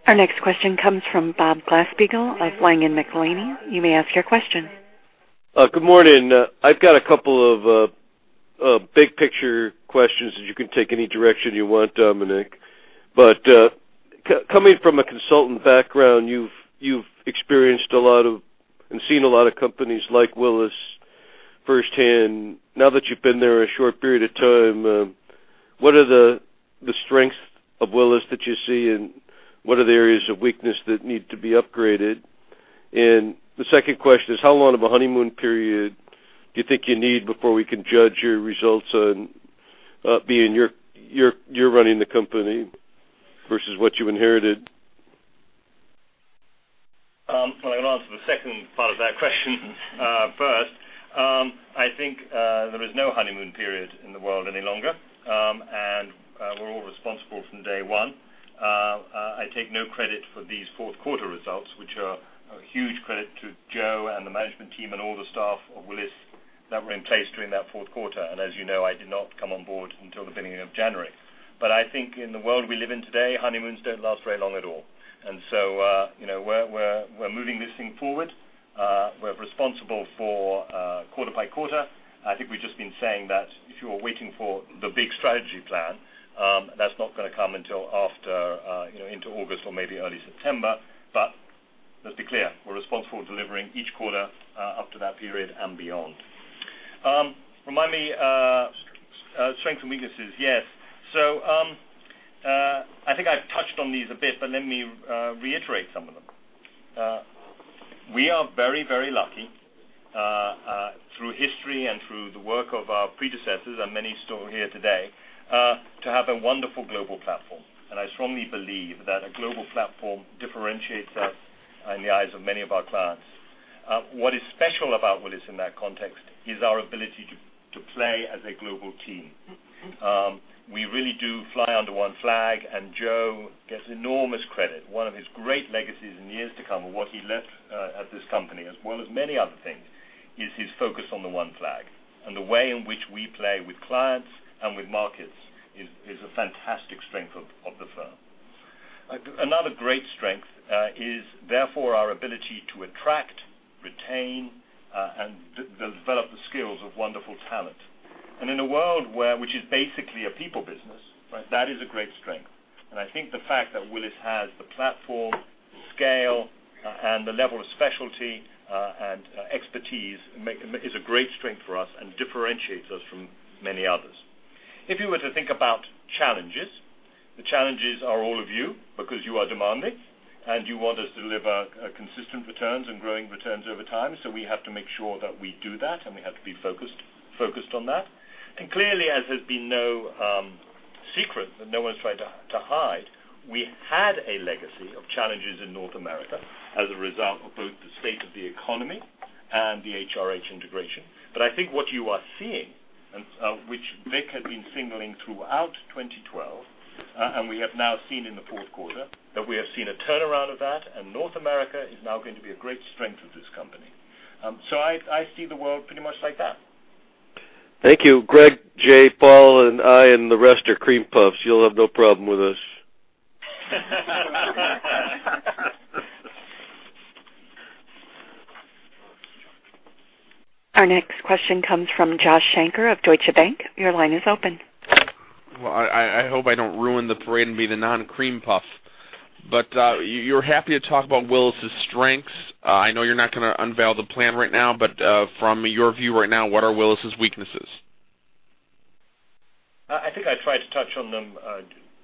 Our next question comes from Bob Glasspiegel of Janney Montgomery Scott. You may ask your question. Good morning. I've got a couple of big picture questions that you can take any direction you want, Dominic. Coming from a consultant background, you've experienced a lot of and seen a lot of companies like Willis firsthand. Now that you've been there a short period of time, what are the strengths of Willis that you see, and what are the areas of weakness that need to be upgraded? The second question is, how long of a honeymoon period do you think you need before we can judge your results on being you're running the company versus what you inherited? Well, I'm going to answer the second part of that question first. I think there is no honeymoon period in the world any longer, and we're all responsible from day one. I take no credit for these fourth quarter results, which are a huge credit to Joe and the management team and all the staff of Willis that were in place during that fourth quarter. As you know, I did not come on board until the beginning of January. I think in the world we live in today, honeymoons don't last very long at all. We're moving this thing forward. We're responsible for quarter by quarter. I think we've just been saying that if you are waiting for the big strategy plan, that's not going to come until after into August or maybe early September. Let's be clear, we're responsible for delivering each quarter up to that period and beyond. Strengths. Strengths and weaknesses. Yes. I think I've touched on these a bit, but let me reiterate some of them. We are very lucky through history and through the work of our predecessors, and many still here today, to have a wonderful global platform. I strongly believe that a global platform differentiates us in the eyes of many of our clients. What is special about Willis in that context is our ability to play as a global team. We really do fly under one flag, and Joe gets enormous credit. One of his great legacies in years to come of what he left at this company, as well as many other things, is his focus on the one flag. The way in which we play with clients and with markets is a fantastic strength of the firm. Another great strength is, therefore, our ability to attract, retain, and develop the skills of wonderful talent. In a world where, which is basically a people business, that is a great strength. I think the fact that Willis has the platform, the scale, and the level of specialty and expertise is a great strength for us and differentiates us from many others. If you were to think about challenges, the challenges are all of you because you are demanding, and you want us to deliver consistent returns and growing returns over time. We have to make sure that we do that, and we have to be focused on that. Clearly, as there's been no secret that no one's tried to hide, we had a legacy of challenges in North America as a result of both the state of the economy and the HRH integration. I think what you are seeing, which Vic had been signaling throughout 2012, and we have now seen in the fourth quarter, that we have seen a turnaround of that, and North America is now going to be a great strength of this company. I see the world pretty much like that. Thank you, Greg, Jay, Paul, and I and the rest are cream puffs. You'll have no problem with us. Our next question comes from Joshua Shanker of Deutsche Bank. Your line is open. I hope I don't ruin the parade and be the non-cream puff. You're happy to talk about Willis's strengths. I know you're not going to unveil the plan right now, but from your view right now, what are Willis's weaknesses? I think I tried to touch on them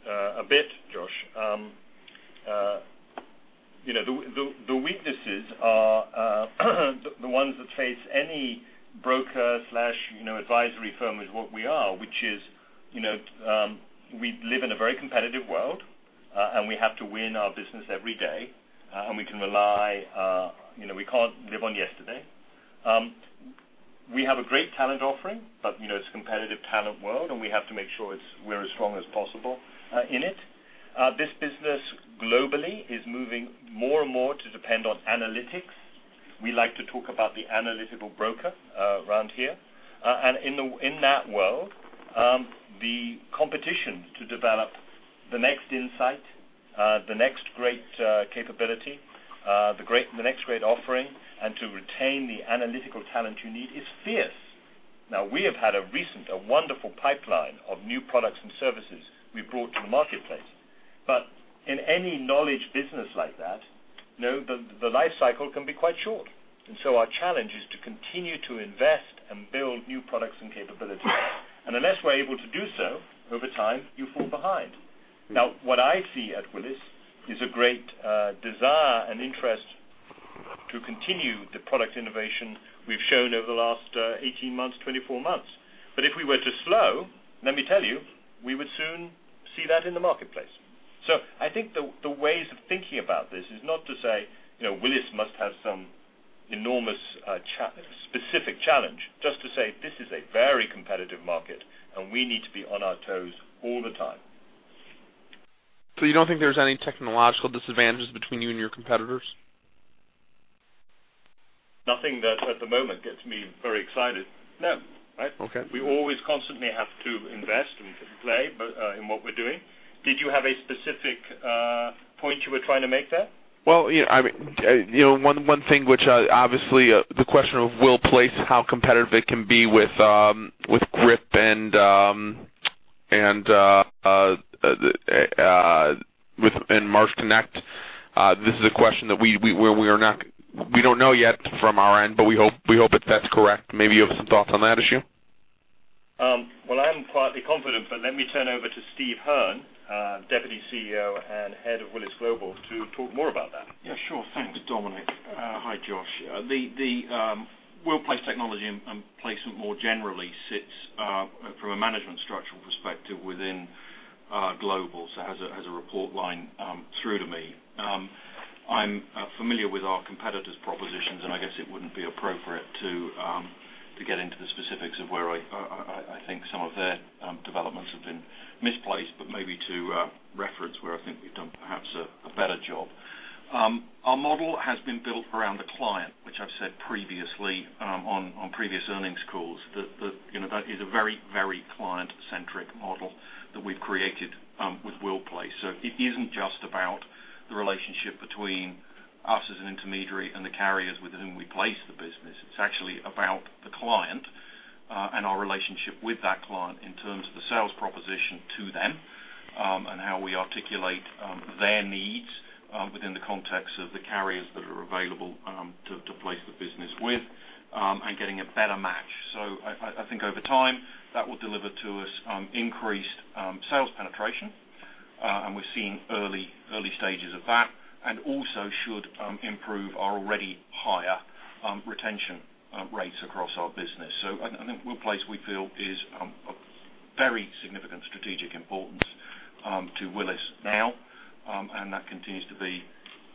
a bit, Josh. The weaknesses are the ones that face any broker/advisory firm is what we are, which is we live in a very competitive world, and we have to win our business every day, and we can't live on yesterday. We have a great talent offering, but it's a competitive talent world, and we have to make sure we're as strong as possible in it. This business globally is moving more and more to depend on analytics. We like to talk about the analytical broker around here. In that world, the competition to develop the next insight, the next great capability, the next great offering, and to retain the analytical talent you need is fierce. We have had a recent, a wonderful pipeline of new products and services we've brought to the marketplace. In any knowledge business like that, the life cycle can be quite short. Our challenge is to continue to invest and build new products and capabilities. Unless we're able to do so, over time, you fall behind. What I see at Willis is a great desire and interest to continue the product innovation we've shown over the last 18 months, 24 months. If we were to slow, let me tell you, we would soon see that in the marketplace. I think the ways of thinking about this is not to say Willis must have some enormous specific challenge, just to say this is a very competitive market, and we need to be on our toes all the time. You don't think there's any technological disadvantages between you and your competitors? Nothing that at the moment gets me very excited. No. Okay. We always constantly have to invest and play in what we're doing. Did you have a specific point you were trying to make there? Well, one thing which obviously the question of WillPLACE, how competitive it can be with GRIP and MarshConnect? This is a question that we don't know yet from our end, but we hope that's correct. Maybe you have some thoughts on that issue. I'm partly confident, but let me turn over to Steve Hearn, Deputy CEO and Head of Willis Global, to talk more about that. Yeah, sure. Thanks, Dominic. Hi, Josh. The WillPLACE technology and placement more generally sits from a management structural perspective within Global, has a report line through to me. I'm familiar with our competitors' propositions, and I guess it wouldn't be appropriate to get into the specifics of where I think some of their developments have been misplaced, but maybe to reference where I think we've done perhaps a better job. Our model has been built around the client, which I've said previously on previous earnings calls. That is a very client-centric model that we've created with WillPLACE. It isn't just about the relationship between us as an intermediary and the carriers with whom we place the business. It's actually about the client and our relationship with that client in terms of the sales proposition to them and how we articulate their needs within the context of the carriers that are available to place the business with and getting a better match. I think over time, that will deliver to us increased sales penetration, and we're seeing early stages of that, and also should improve our already higher retention rates across our business. I think WillPLACE we feel is a very significant strategic importance to Willis now, and that continues to be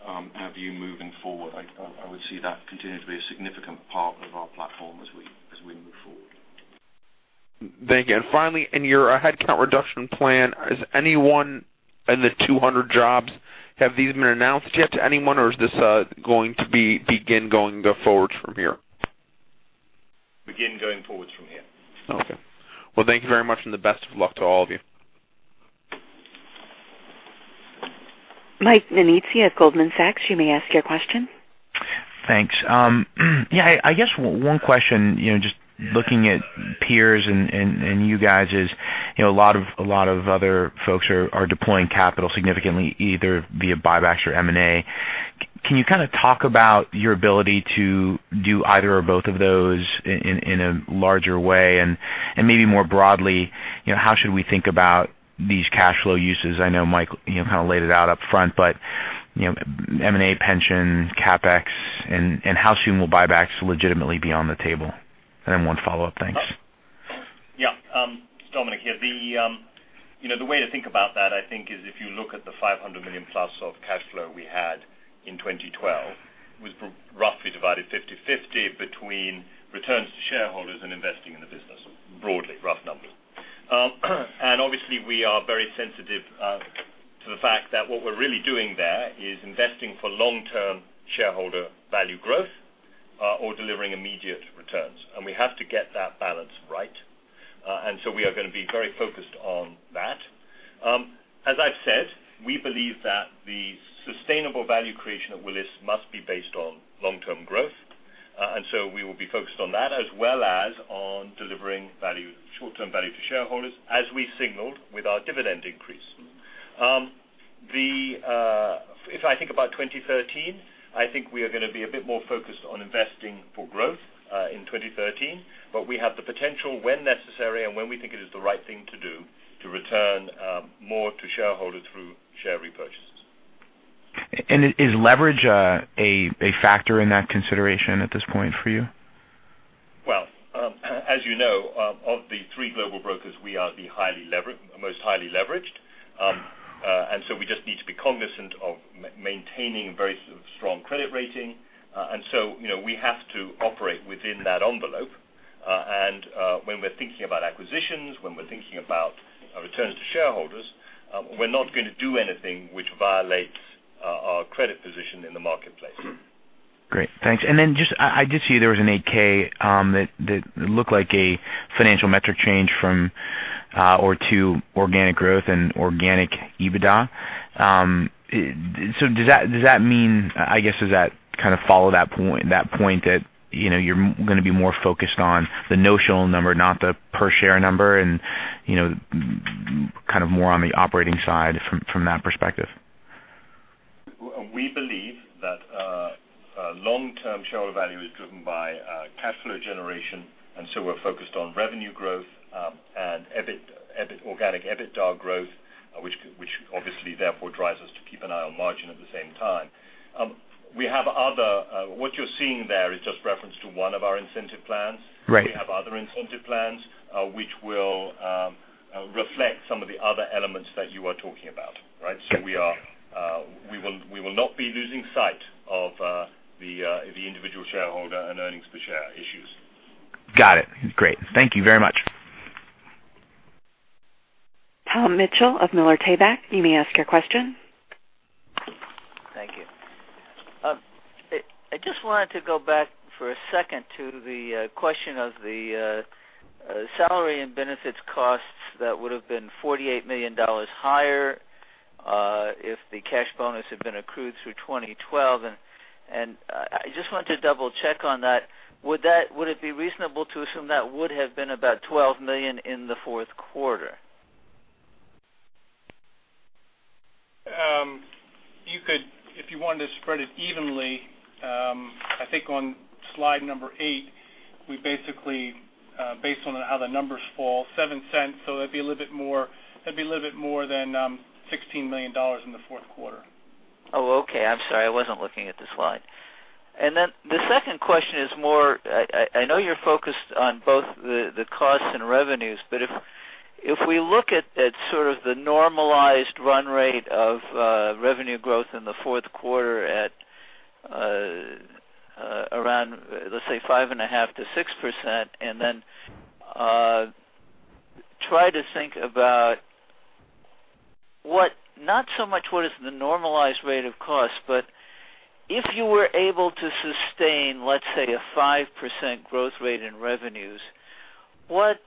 our view moving forward. I would see that continue to be a significant part of our platform as we move forward. Thank you. Finally, in your headcount reduction plan, is anyone in the 200 jobs, have these been announced yet to anyone, or is this going to begin going forwards from here? Begin going forwards from here. Okay. Well, thank you very much and the best of luck to all of you. Michael Nannizzi at Goldman Sachs, you may ask your question. Thanks. Yeah, I guess one question, just looking at peers and you guys is, a lot of other folks are deploying capital significantly, either via buybacks or M&A. Can you talk about your ability to do either or both of those in a larger way? Maybe more broadly, how should we think about these cash flow uses? I know Mike kind of laid it out up front, but M&A pension, CapEx, and how soon will buybacks legitimately be on the table? One follow-up. Thanks. Dominic here. The way to think about that, I think, is if you look at the $500 million plus of cash flow we had in 2012, it was roughly divided 50/50 between returns to shareholders and investing in the business, broadly, rough numbers. Obviously, we are very sensitive to the fact that what we're really doing there is investing for long-term shareholder value growth or delivering immediate returns. We have to get that balance right. We are going to be very focused on, as I've said, we believe that the sustainable value creation of Willis must be based on long-term growth. We will be focused on that, as well as on delivering short-term value to shareholders, as we signaled with our dividend increase. If I think about 2013, I think we are going to be a bit more focused on investing for growth in 2013. We have the potential, when necessary and when we think it is the right thing to do, to return more to shareholders through share repurchases. Is leverage a factor in that consideration at this point for you? Well, as you know, of the three global brokers, we are the most highly leveraged. We just need to be cognizant of maintaining very strong credit rating. We have to operate within that envelope. When we're thinking about acquisitions, when we're thinking about returns to shareholders, we're not going to do anything which violates our credit position in the marketplace. Great, thanks. I did see there was an 8-K that looked like a financial metric change from or to organic growth and organic EBITDA. Does that mean, I guess, does that kind of follow that point that you're going to be more focused on the notional number, not the per-share number, and kind of more on the operating side from that perspective? We believe that long-term shareholder value is driven by cash flow generation, and so we're focused on revenue growth and organic EBITDA growth, which obviously therefore drives us to keep an eye on margin at the same time. What you're seeing there is just reference to one of our incentive plans. Right. We have other incentive plans which will reflect some of the other elements that you are talking about. Right? We will not be losing sight of the individual shareholder and earnings per share issues. Got it. Great. Thank you very much. Tom Mitchell of Miller Tabak, you may ask your question. Thank you. I just wanted to go back for a second to the question of the salary and benefits costs that would have been $48 million higher if the cash bonus had been accrued through 2012. I just wanted to double-check on that. Would it be reasonable to assume that would have been about $12 million in the fourth quarter? You could, if you wanted to spread it evenly. I think on slide number eight, we basically based on how the numbers fall, $0.07. It'd be a little bit more than $16 million in the fourth quarter. Oh, okay. I'm sorry. I wasn't looking at the slide. The second question is more, I know you're focused on both the cost and revenues, but if we look at sort of the normalized run rate of revenue growth in the fourth quarter at around, let's say, 5.5%-6%, then try to think about not so much what is the normalized rate of cost, but if you were able to sustain, let's say, a 5% growth rate in revenues, and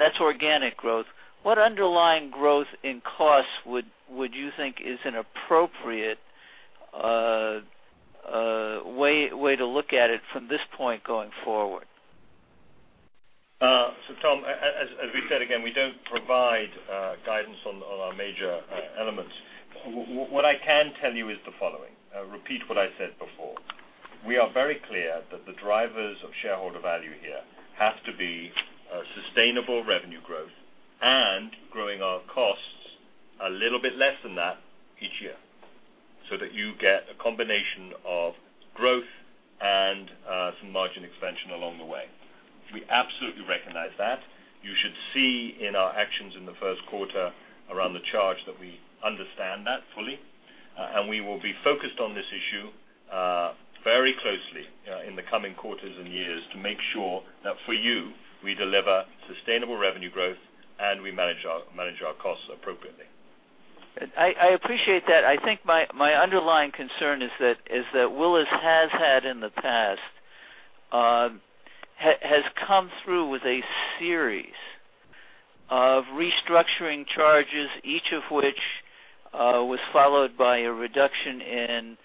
that's organic growth, what underlying growth in costs would you think is an appropriate way to look at it from this point going forward? Tom, as we've said, again, we don't provide guidance on our major elements. What I can tell you is the following. Repeat what I said before. We are very clear that the drivers of shareholder value here have to be sustainable revenue growth and growing our costs a little bit less than that each year, so that you get a combination of growth and some margin expansion along the way. We absolutely recognize that. You should see in our actions in the first quarter around the charge that we understand that fully. We will be focused on this issue very closely in the coming quarters and years to make sure that for you, we deliver sustainable revenue growth and we manage our costs appropriately. I appreciate that. I think my underlying concern is that Willis has had in the past, has come through with a series of restructuring charges, each of which was followed by a reduction in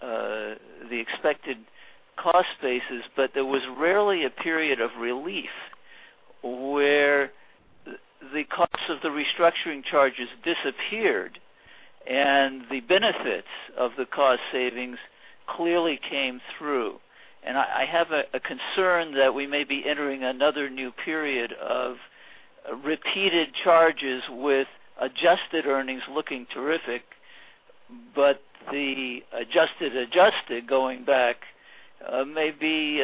the expected cost basis. There was rarely a period of relief where the cost of the restructuring charges disappeared and the benefits of the cost savings clearly came through. I have a concern that we may be entering another new period of repeated charges with adjusted earnings looking terrific, but the adjusted going back may be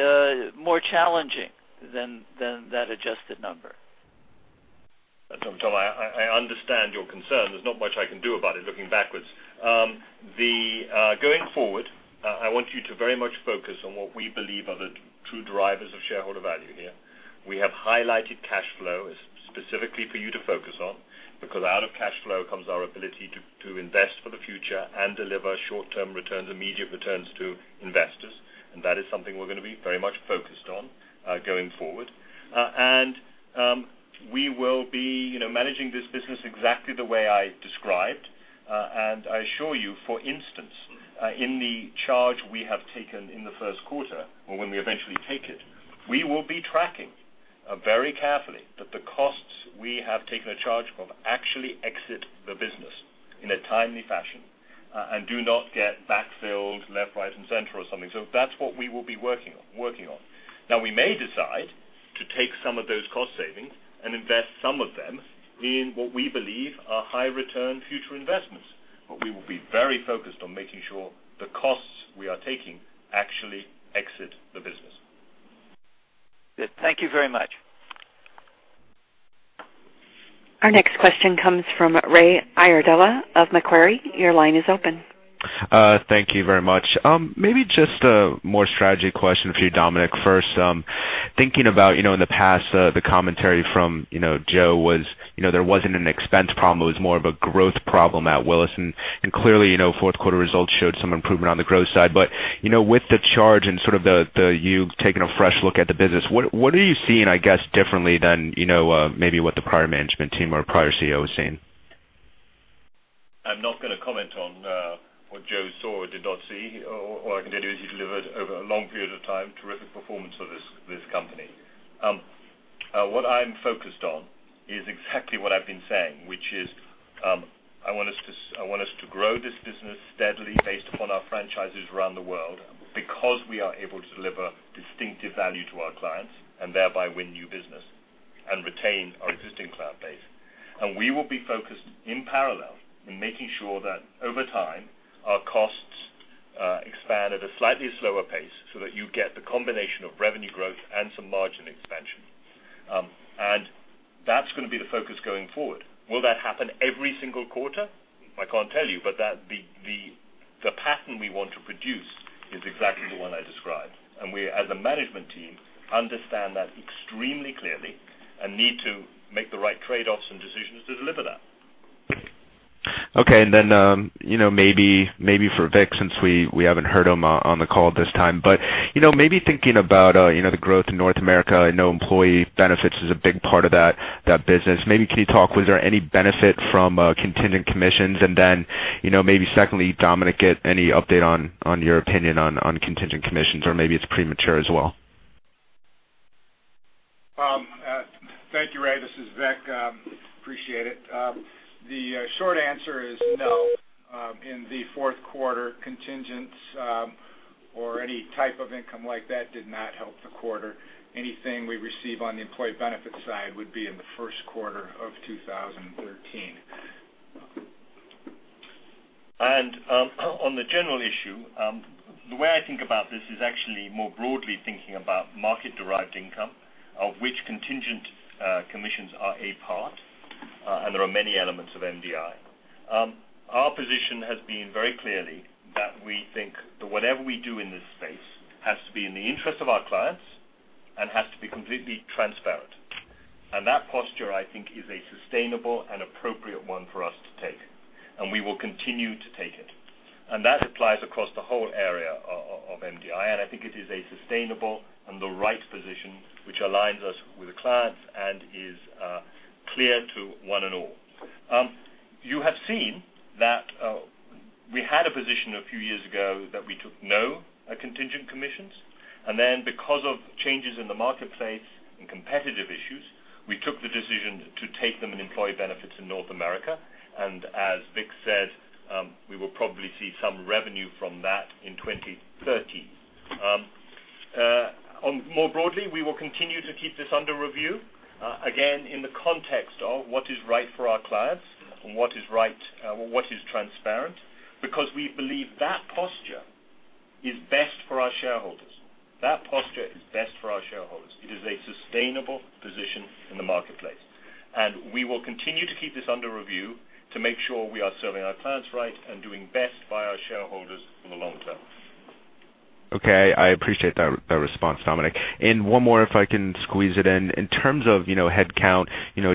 more challenging than that adjusted number. Tom, I understand your concern. There's not much I can do about it looking backwards. Going forward, I want you to very much focus on what we believe are the true drivers of shareholder value here. Out of cash flow comes our ability to invest for the future and deliver short-term returns, immediate returns to investors. That is something we're going to be very much focused on going forward. We will be managing this business exactly the way I described. I assure you, for instance, in the charge we have taken in the first quarter, or when we eventually take it, we will be tracking very carefully that the costs we have taken a charge from actually exit the business in a timely fashion and do not get backfilled left, right, and center or something. That's what we will be working on. Now, we may decide to take some of those cost savings and invest some of them in what we believe are high-return future investments. We will be very focused on making sure the costs we are taking actually exit the business. Good. Thank you very much. Our next question comes from Raymond Iardella of Macquarie. Your line is open. Thank you very much. Maybe just a more strategy question for you, Dominic. First, thinking about in the past, the commentary from Joe was there wasn't an expense problem. It was more of a growth problem at Willis. Clearly, fourth quarter results showed some improvement on the growth side. With the charge and you taking a fresh look at the business, what are you seeing, I guess, differently than maybe what the prior management team or prior CEO was seeing? I'm not going to comment on what Joe saw or did not see. All I can tell you is he delivered over a long period of time, terrific performance of this company. What I'm focused on is exactly what I've been saying, which is I want us to grow this business steadily based upon our franchises around the world because we are able to deliver distinctive value to our clients and thereby win new business and retain our existing client base. We will be focused in parallel in making sure that over time, our costs expand at a slightly slower pace so that you get the combination of revenue growth and some margin expansion. That's going to be the focus going forward. Will that happen every single quarter? I can't tell you, but the pattern we want to produce is exactly the one I described. We, as a management team, understand that extremely clearly and need to make the right trade-offs and decisions to deliver that. Okay. Then maybe for Vic, since we haven't heard him on the call this time. Maybe thinking about the growth in Willis North America, I know employee benefits is a big part of that business. Maybe can you talk, was there any benefit from contingent commissions? Then maybe secondly, Dominic, get any update on your opinion on contingent commissions, or maybe it's premature as well. Thank you, Ray. This is Vic. Appreciate it. The short answer is no. In the fourth quarter, contingents or any type of income like that did not help the quarter. Anything we receive on the employee benefits side would be in the first quarter of 2013. On the general issue, the way I think about this is actually more broadly thinking about market-derived income, of which contingent commissions are a part, and there are many elements of MDI. Our position has been very clearly that we think that whatever we do in this space has to be in the interest of our clients and has to be completely transparent. That posture, I think, is a sustainable and appropriate one for us to take, and we will continue to take it. That applies across the whole area of MDI, and I think it is a sustainable and the right position, which aligns us with the clients and is clear to one and all. You have seen that we had a position a few years ago that we took no contingent commissions, then because of changes in the marketplace and competitive issues, we took the decision to take them in employee benefits in North America. As Vic said, we will probably see some revenue from that in 2013. More broadly, we will continue to keep this under review, again, in the context of what is right for our clients and what is transparent, because we believe that posture is best for our shareholders. That posture is best for our shareholders. It is a sustainable position in the marketplace. We will continue to keep this under review to make sure we are serving our clients right and doing best by our shareholders for the long term. Okay. I appreciate that response, Dominic. One more if I can squeeze it in. In terms of headcount,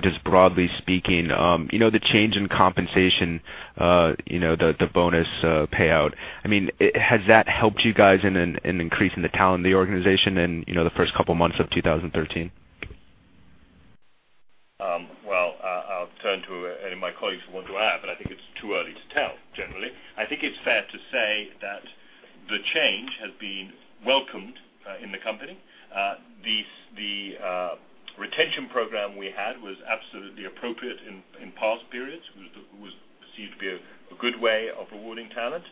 just broadly speaking, the change in compensation, the bonus payout. Has that helped you guys in increasing the talent in the organization in the first couple of months of 2013? Well, I'll turn to any of my colleagues who want to add, I think it's too early to tell, generally. I think it's fair to say that the change has been welcomed in the company. The retention program we had was absolutely appropriate in past periods. It was perceived to be a good way of rewarding talent.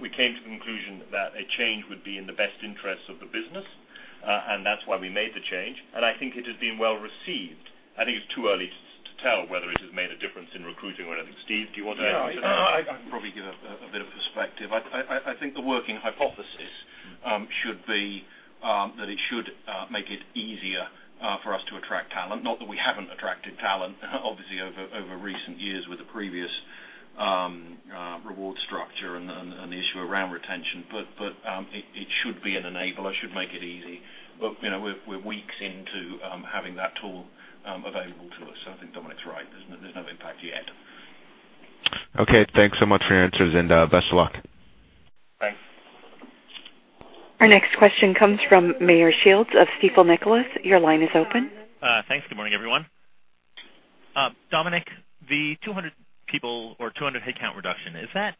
We came to the conclusion that a change would be in the best interest of the business, that's why we made the change. I think it has been well received. I think it's too early to tell whether it has made a difference in recruiting or anything. Steve, do you want to add anything to that? No. I can probably give a bit of perspective. I think the working hypothesis should be that it should make it easier for us to attract talent. Not that we haven't attracted talent, obviously over recent years with the previous Reward structure and the issue around retention. It should be an enabler, should make it easy. We're weeks into having that tool available to us, so I think Dominic's right. There's no impact yet. Okay. Thanks so much for your answers, and best of luck. Thanks. Our next question comes from Meyer Shields of Stifel Nicolaus. Your line is open. Thanks. Good morning, everyone. Dominic, the 200 people or 200 headcount reduction, is that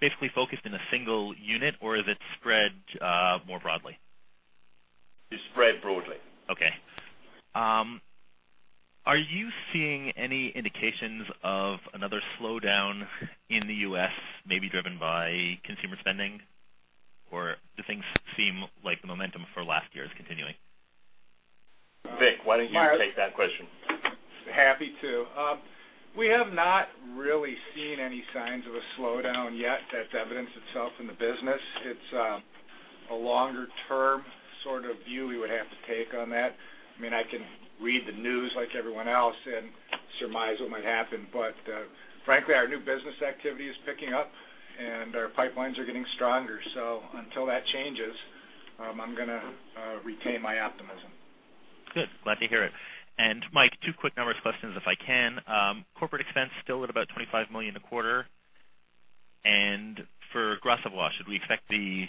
basically focused in a single unit, or is it spread more broadly? It's spread broadly. Okay. Are you seeing any indications of another slowdown in the U.S., maybe driven by consumer spending? Do things seem like the momentum for last year is continuing? Vic, why don't you take that question? Happy to. We have not really seen any signs of a slowdown yet that's evidenced itself in the business. It's a longer-term sort of view we would have to take on that. I can read the news like everyone else and surmise what might happen, but frankly, our new business activity is picking up, and our pipelines are getting stronger. Until that changes, I'm going to retain my optimism. Good. Glad to hear it. Mike, two quick numbers questions if I can. Corporate expense still at about $25 million a quarter. For Gras Savoye, should we expect the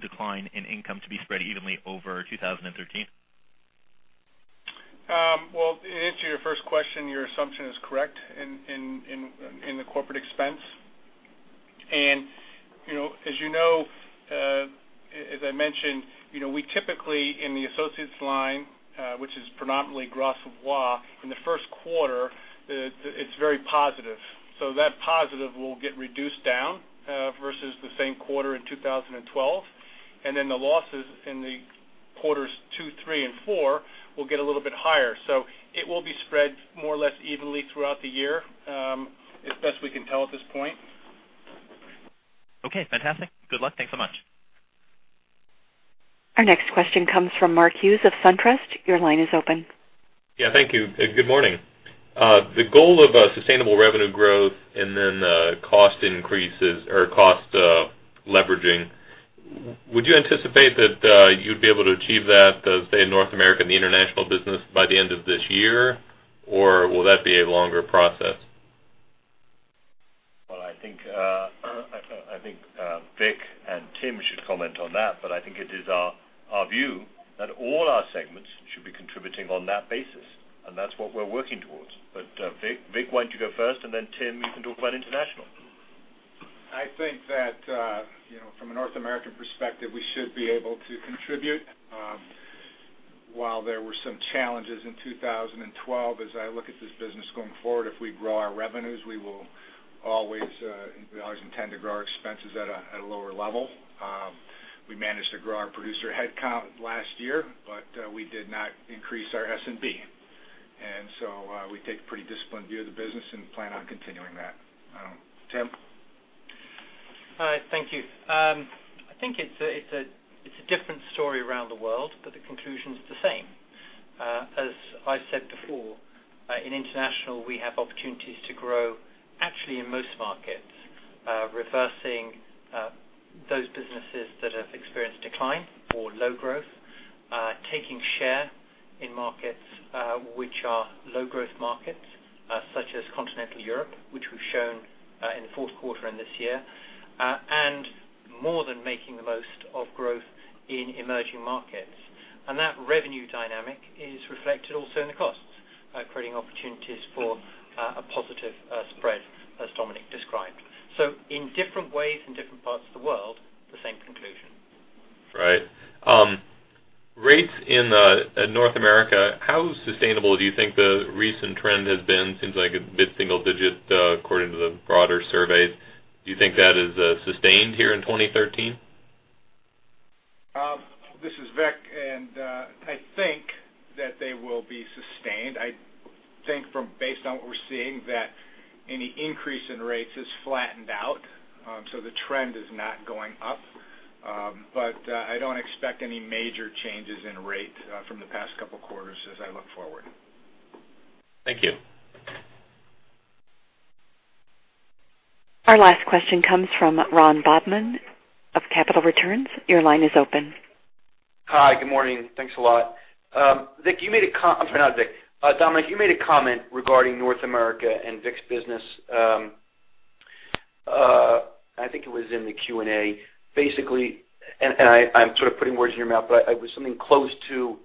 decline in income to be spread evenly over 2013? Well, to answer your first question, your assumption is correct in the corporate expense. As you know, as I mentioned, we typically, in the associates line, which is predominantly Gras Savoye, in the first quarter, it's very positive. That positive will get reduced down versus the same quarter in 2012. Then the losses in the quarters 2, 3, and 4 will get a little bit higher. It will be spread more or less evenly throughout the year, as best we can tell at this point. Okay, fantastic. Good luck. Thanks so much. Our next question comes from Mark Hughes of SunTrust. Your line is open. Thank you, good morning. The goal of a sustainable revenue growth and then cost increases or cost leveraging, would you anticipate that you'd be able to achieve that, say, in North America, in the international business by the end of this year? Or will that be a longer process? Well, I think Vic and Tim should comment on that, I think it is our view that all our segments should be contributing on that basis, That's what we're working towards. Vic, why don't you go first, Tim, you can talk about international. I think that from a North American perspective, we should be able to contribute. While there were some challenges in 2012, as I look at this business going forward, if we grow our revenues, we will always intend to grow our expenses at a lower level. We managed to grow our producer headcount last year, but we did not increase our S&B. We take a pretty disciplined view of the business and plan on continuing that. Tim? Thank you. I think it's a different story around the world, but the conclusion is the same. As I said before, in international, we have opportunities to grow actually in most markets, reversing those businesses that have experienced decline or low growth, taking share in markets which are low growth markets, such as continental Europe, which we've shown in the fourth quarter and this year, and more than making the most of growth in emerging markets. That revenue dynamic is reflected also in the costs, creating opportunities for a positive spread as Dominic described. In different ways, in different parts of the world, the same conclusion. Right. Rates in North America, how sustainable do you think the recent trend has been? Seems like a mid-single digit according to the broader surveys. Do you think that is sustained here in 2013? This is Vic, I think that they will be sustained. I think based on what we're seeing that any increase in rates has flattened out. The trend is not going up. I don't expect any major changes in rate from the past couple of quarters as I look forward. Thank you. Our last question comes from Ron Bodman of Capital Returns. Your line is open. Hi, good morning. Thanks a lot. Vic, you made a comment. I'm sorry, not Vic. Dominic, you made a comment regarding North America and Vic's business. I think it was in the Q&A, basically, and I'm sort of putting words in your mouth, but it was something close to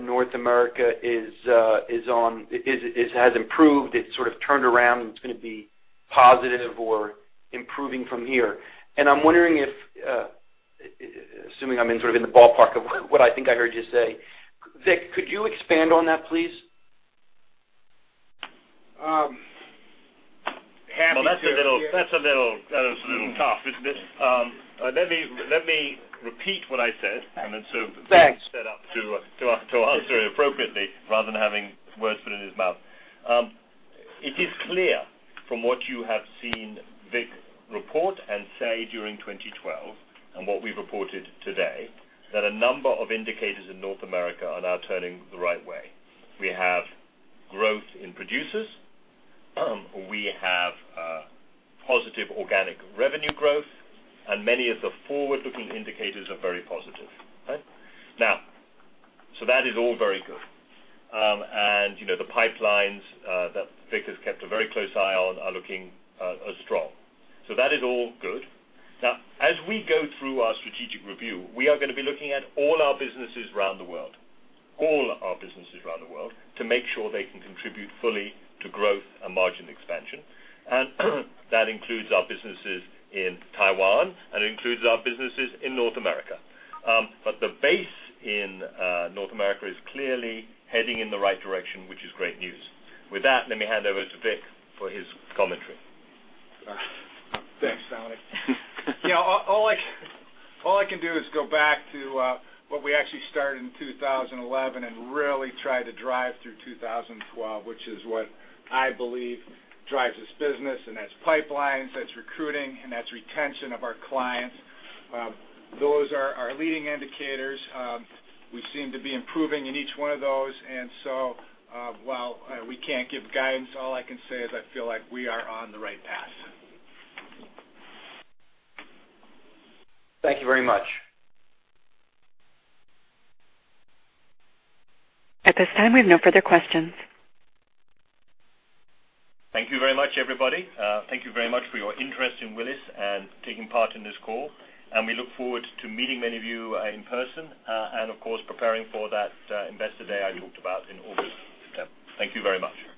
North America has improved. It's sort of turned around, and it's going to be positive or improving from here. I'm wondering if, assuming I'm in sort of in the ballpark of what I think I heard you say, Vic, could you expand on that, please? Well, that's a little tough, isn't it? Let me repeat what I said. Thanks Vic's set up to answer it appropriately rather than having words put in his mouth. It is clear from what you have seen Vic report and say during 2012, and what we've reported today, that a number of indicators in North America are now turning the right way. We have growth in producers. We have positive organic revenue growth, and many of the forward-looking indicators are very positive. Okay? That is all very good. The pipelines that Vic has kept a very close eye on are looking strong. That is all good. As we go through our strategic review, we are going to be looking at all our businesses around the world, all our businesses around the world to make sure they can contribute fully to growth and margin expansion. That includes our businesses in Taiwan, and it includes our businesses in North America. The base in North America is clearly heading in the right direction, which is great news. With that, let me hand over to Vic for his commentary. Thanks, Dominic. All I can do is go back to what we actually started in 2011 and really try to drive through 2012, which is what I believe drives this business, and that's pipelines, that's recruiting, and that's retention of our clients. Those are our leading indicators. We seem to be improving in each one of those. While we can't give guidance, all I can say is I feel like we are on the right path. Thank you very much. At this time, we have no further questions. Thank you very much, everybody. Thank you very much for your interest in Willis and taking part in this call. We look forward to meeting many of you in person, and of course, preparing for that investor day I talked about in August. Thank you very much.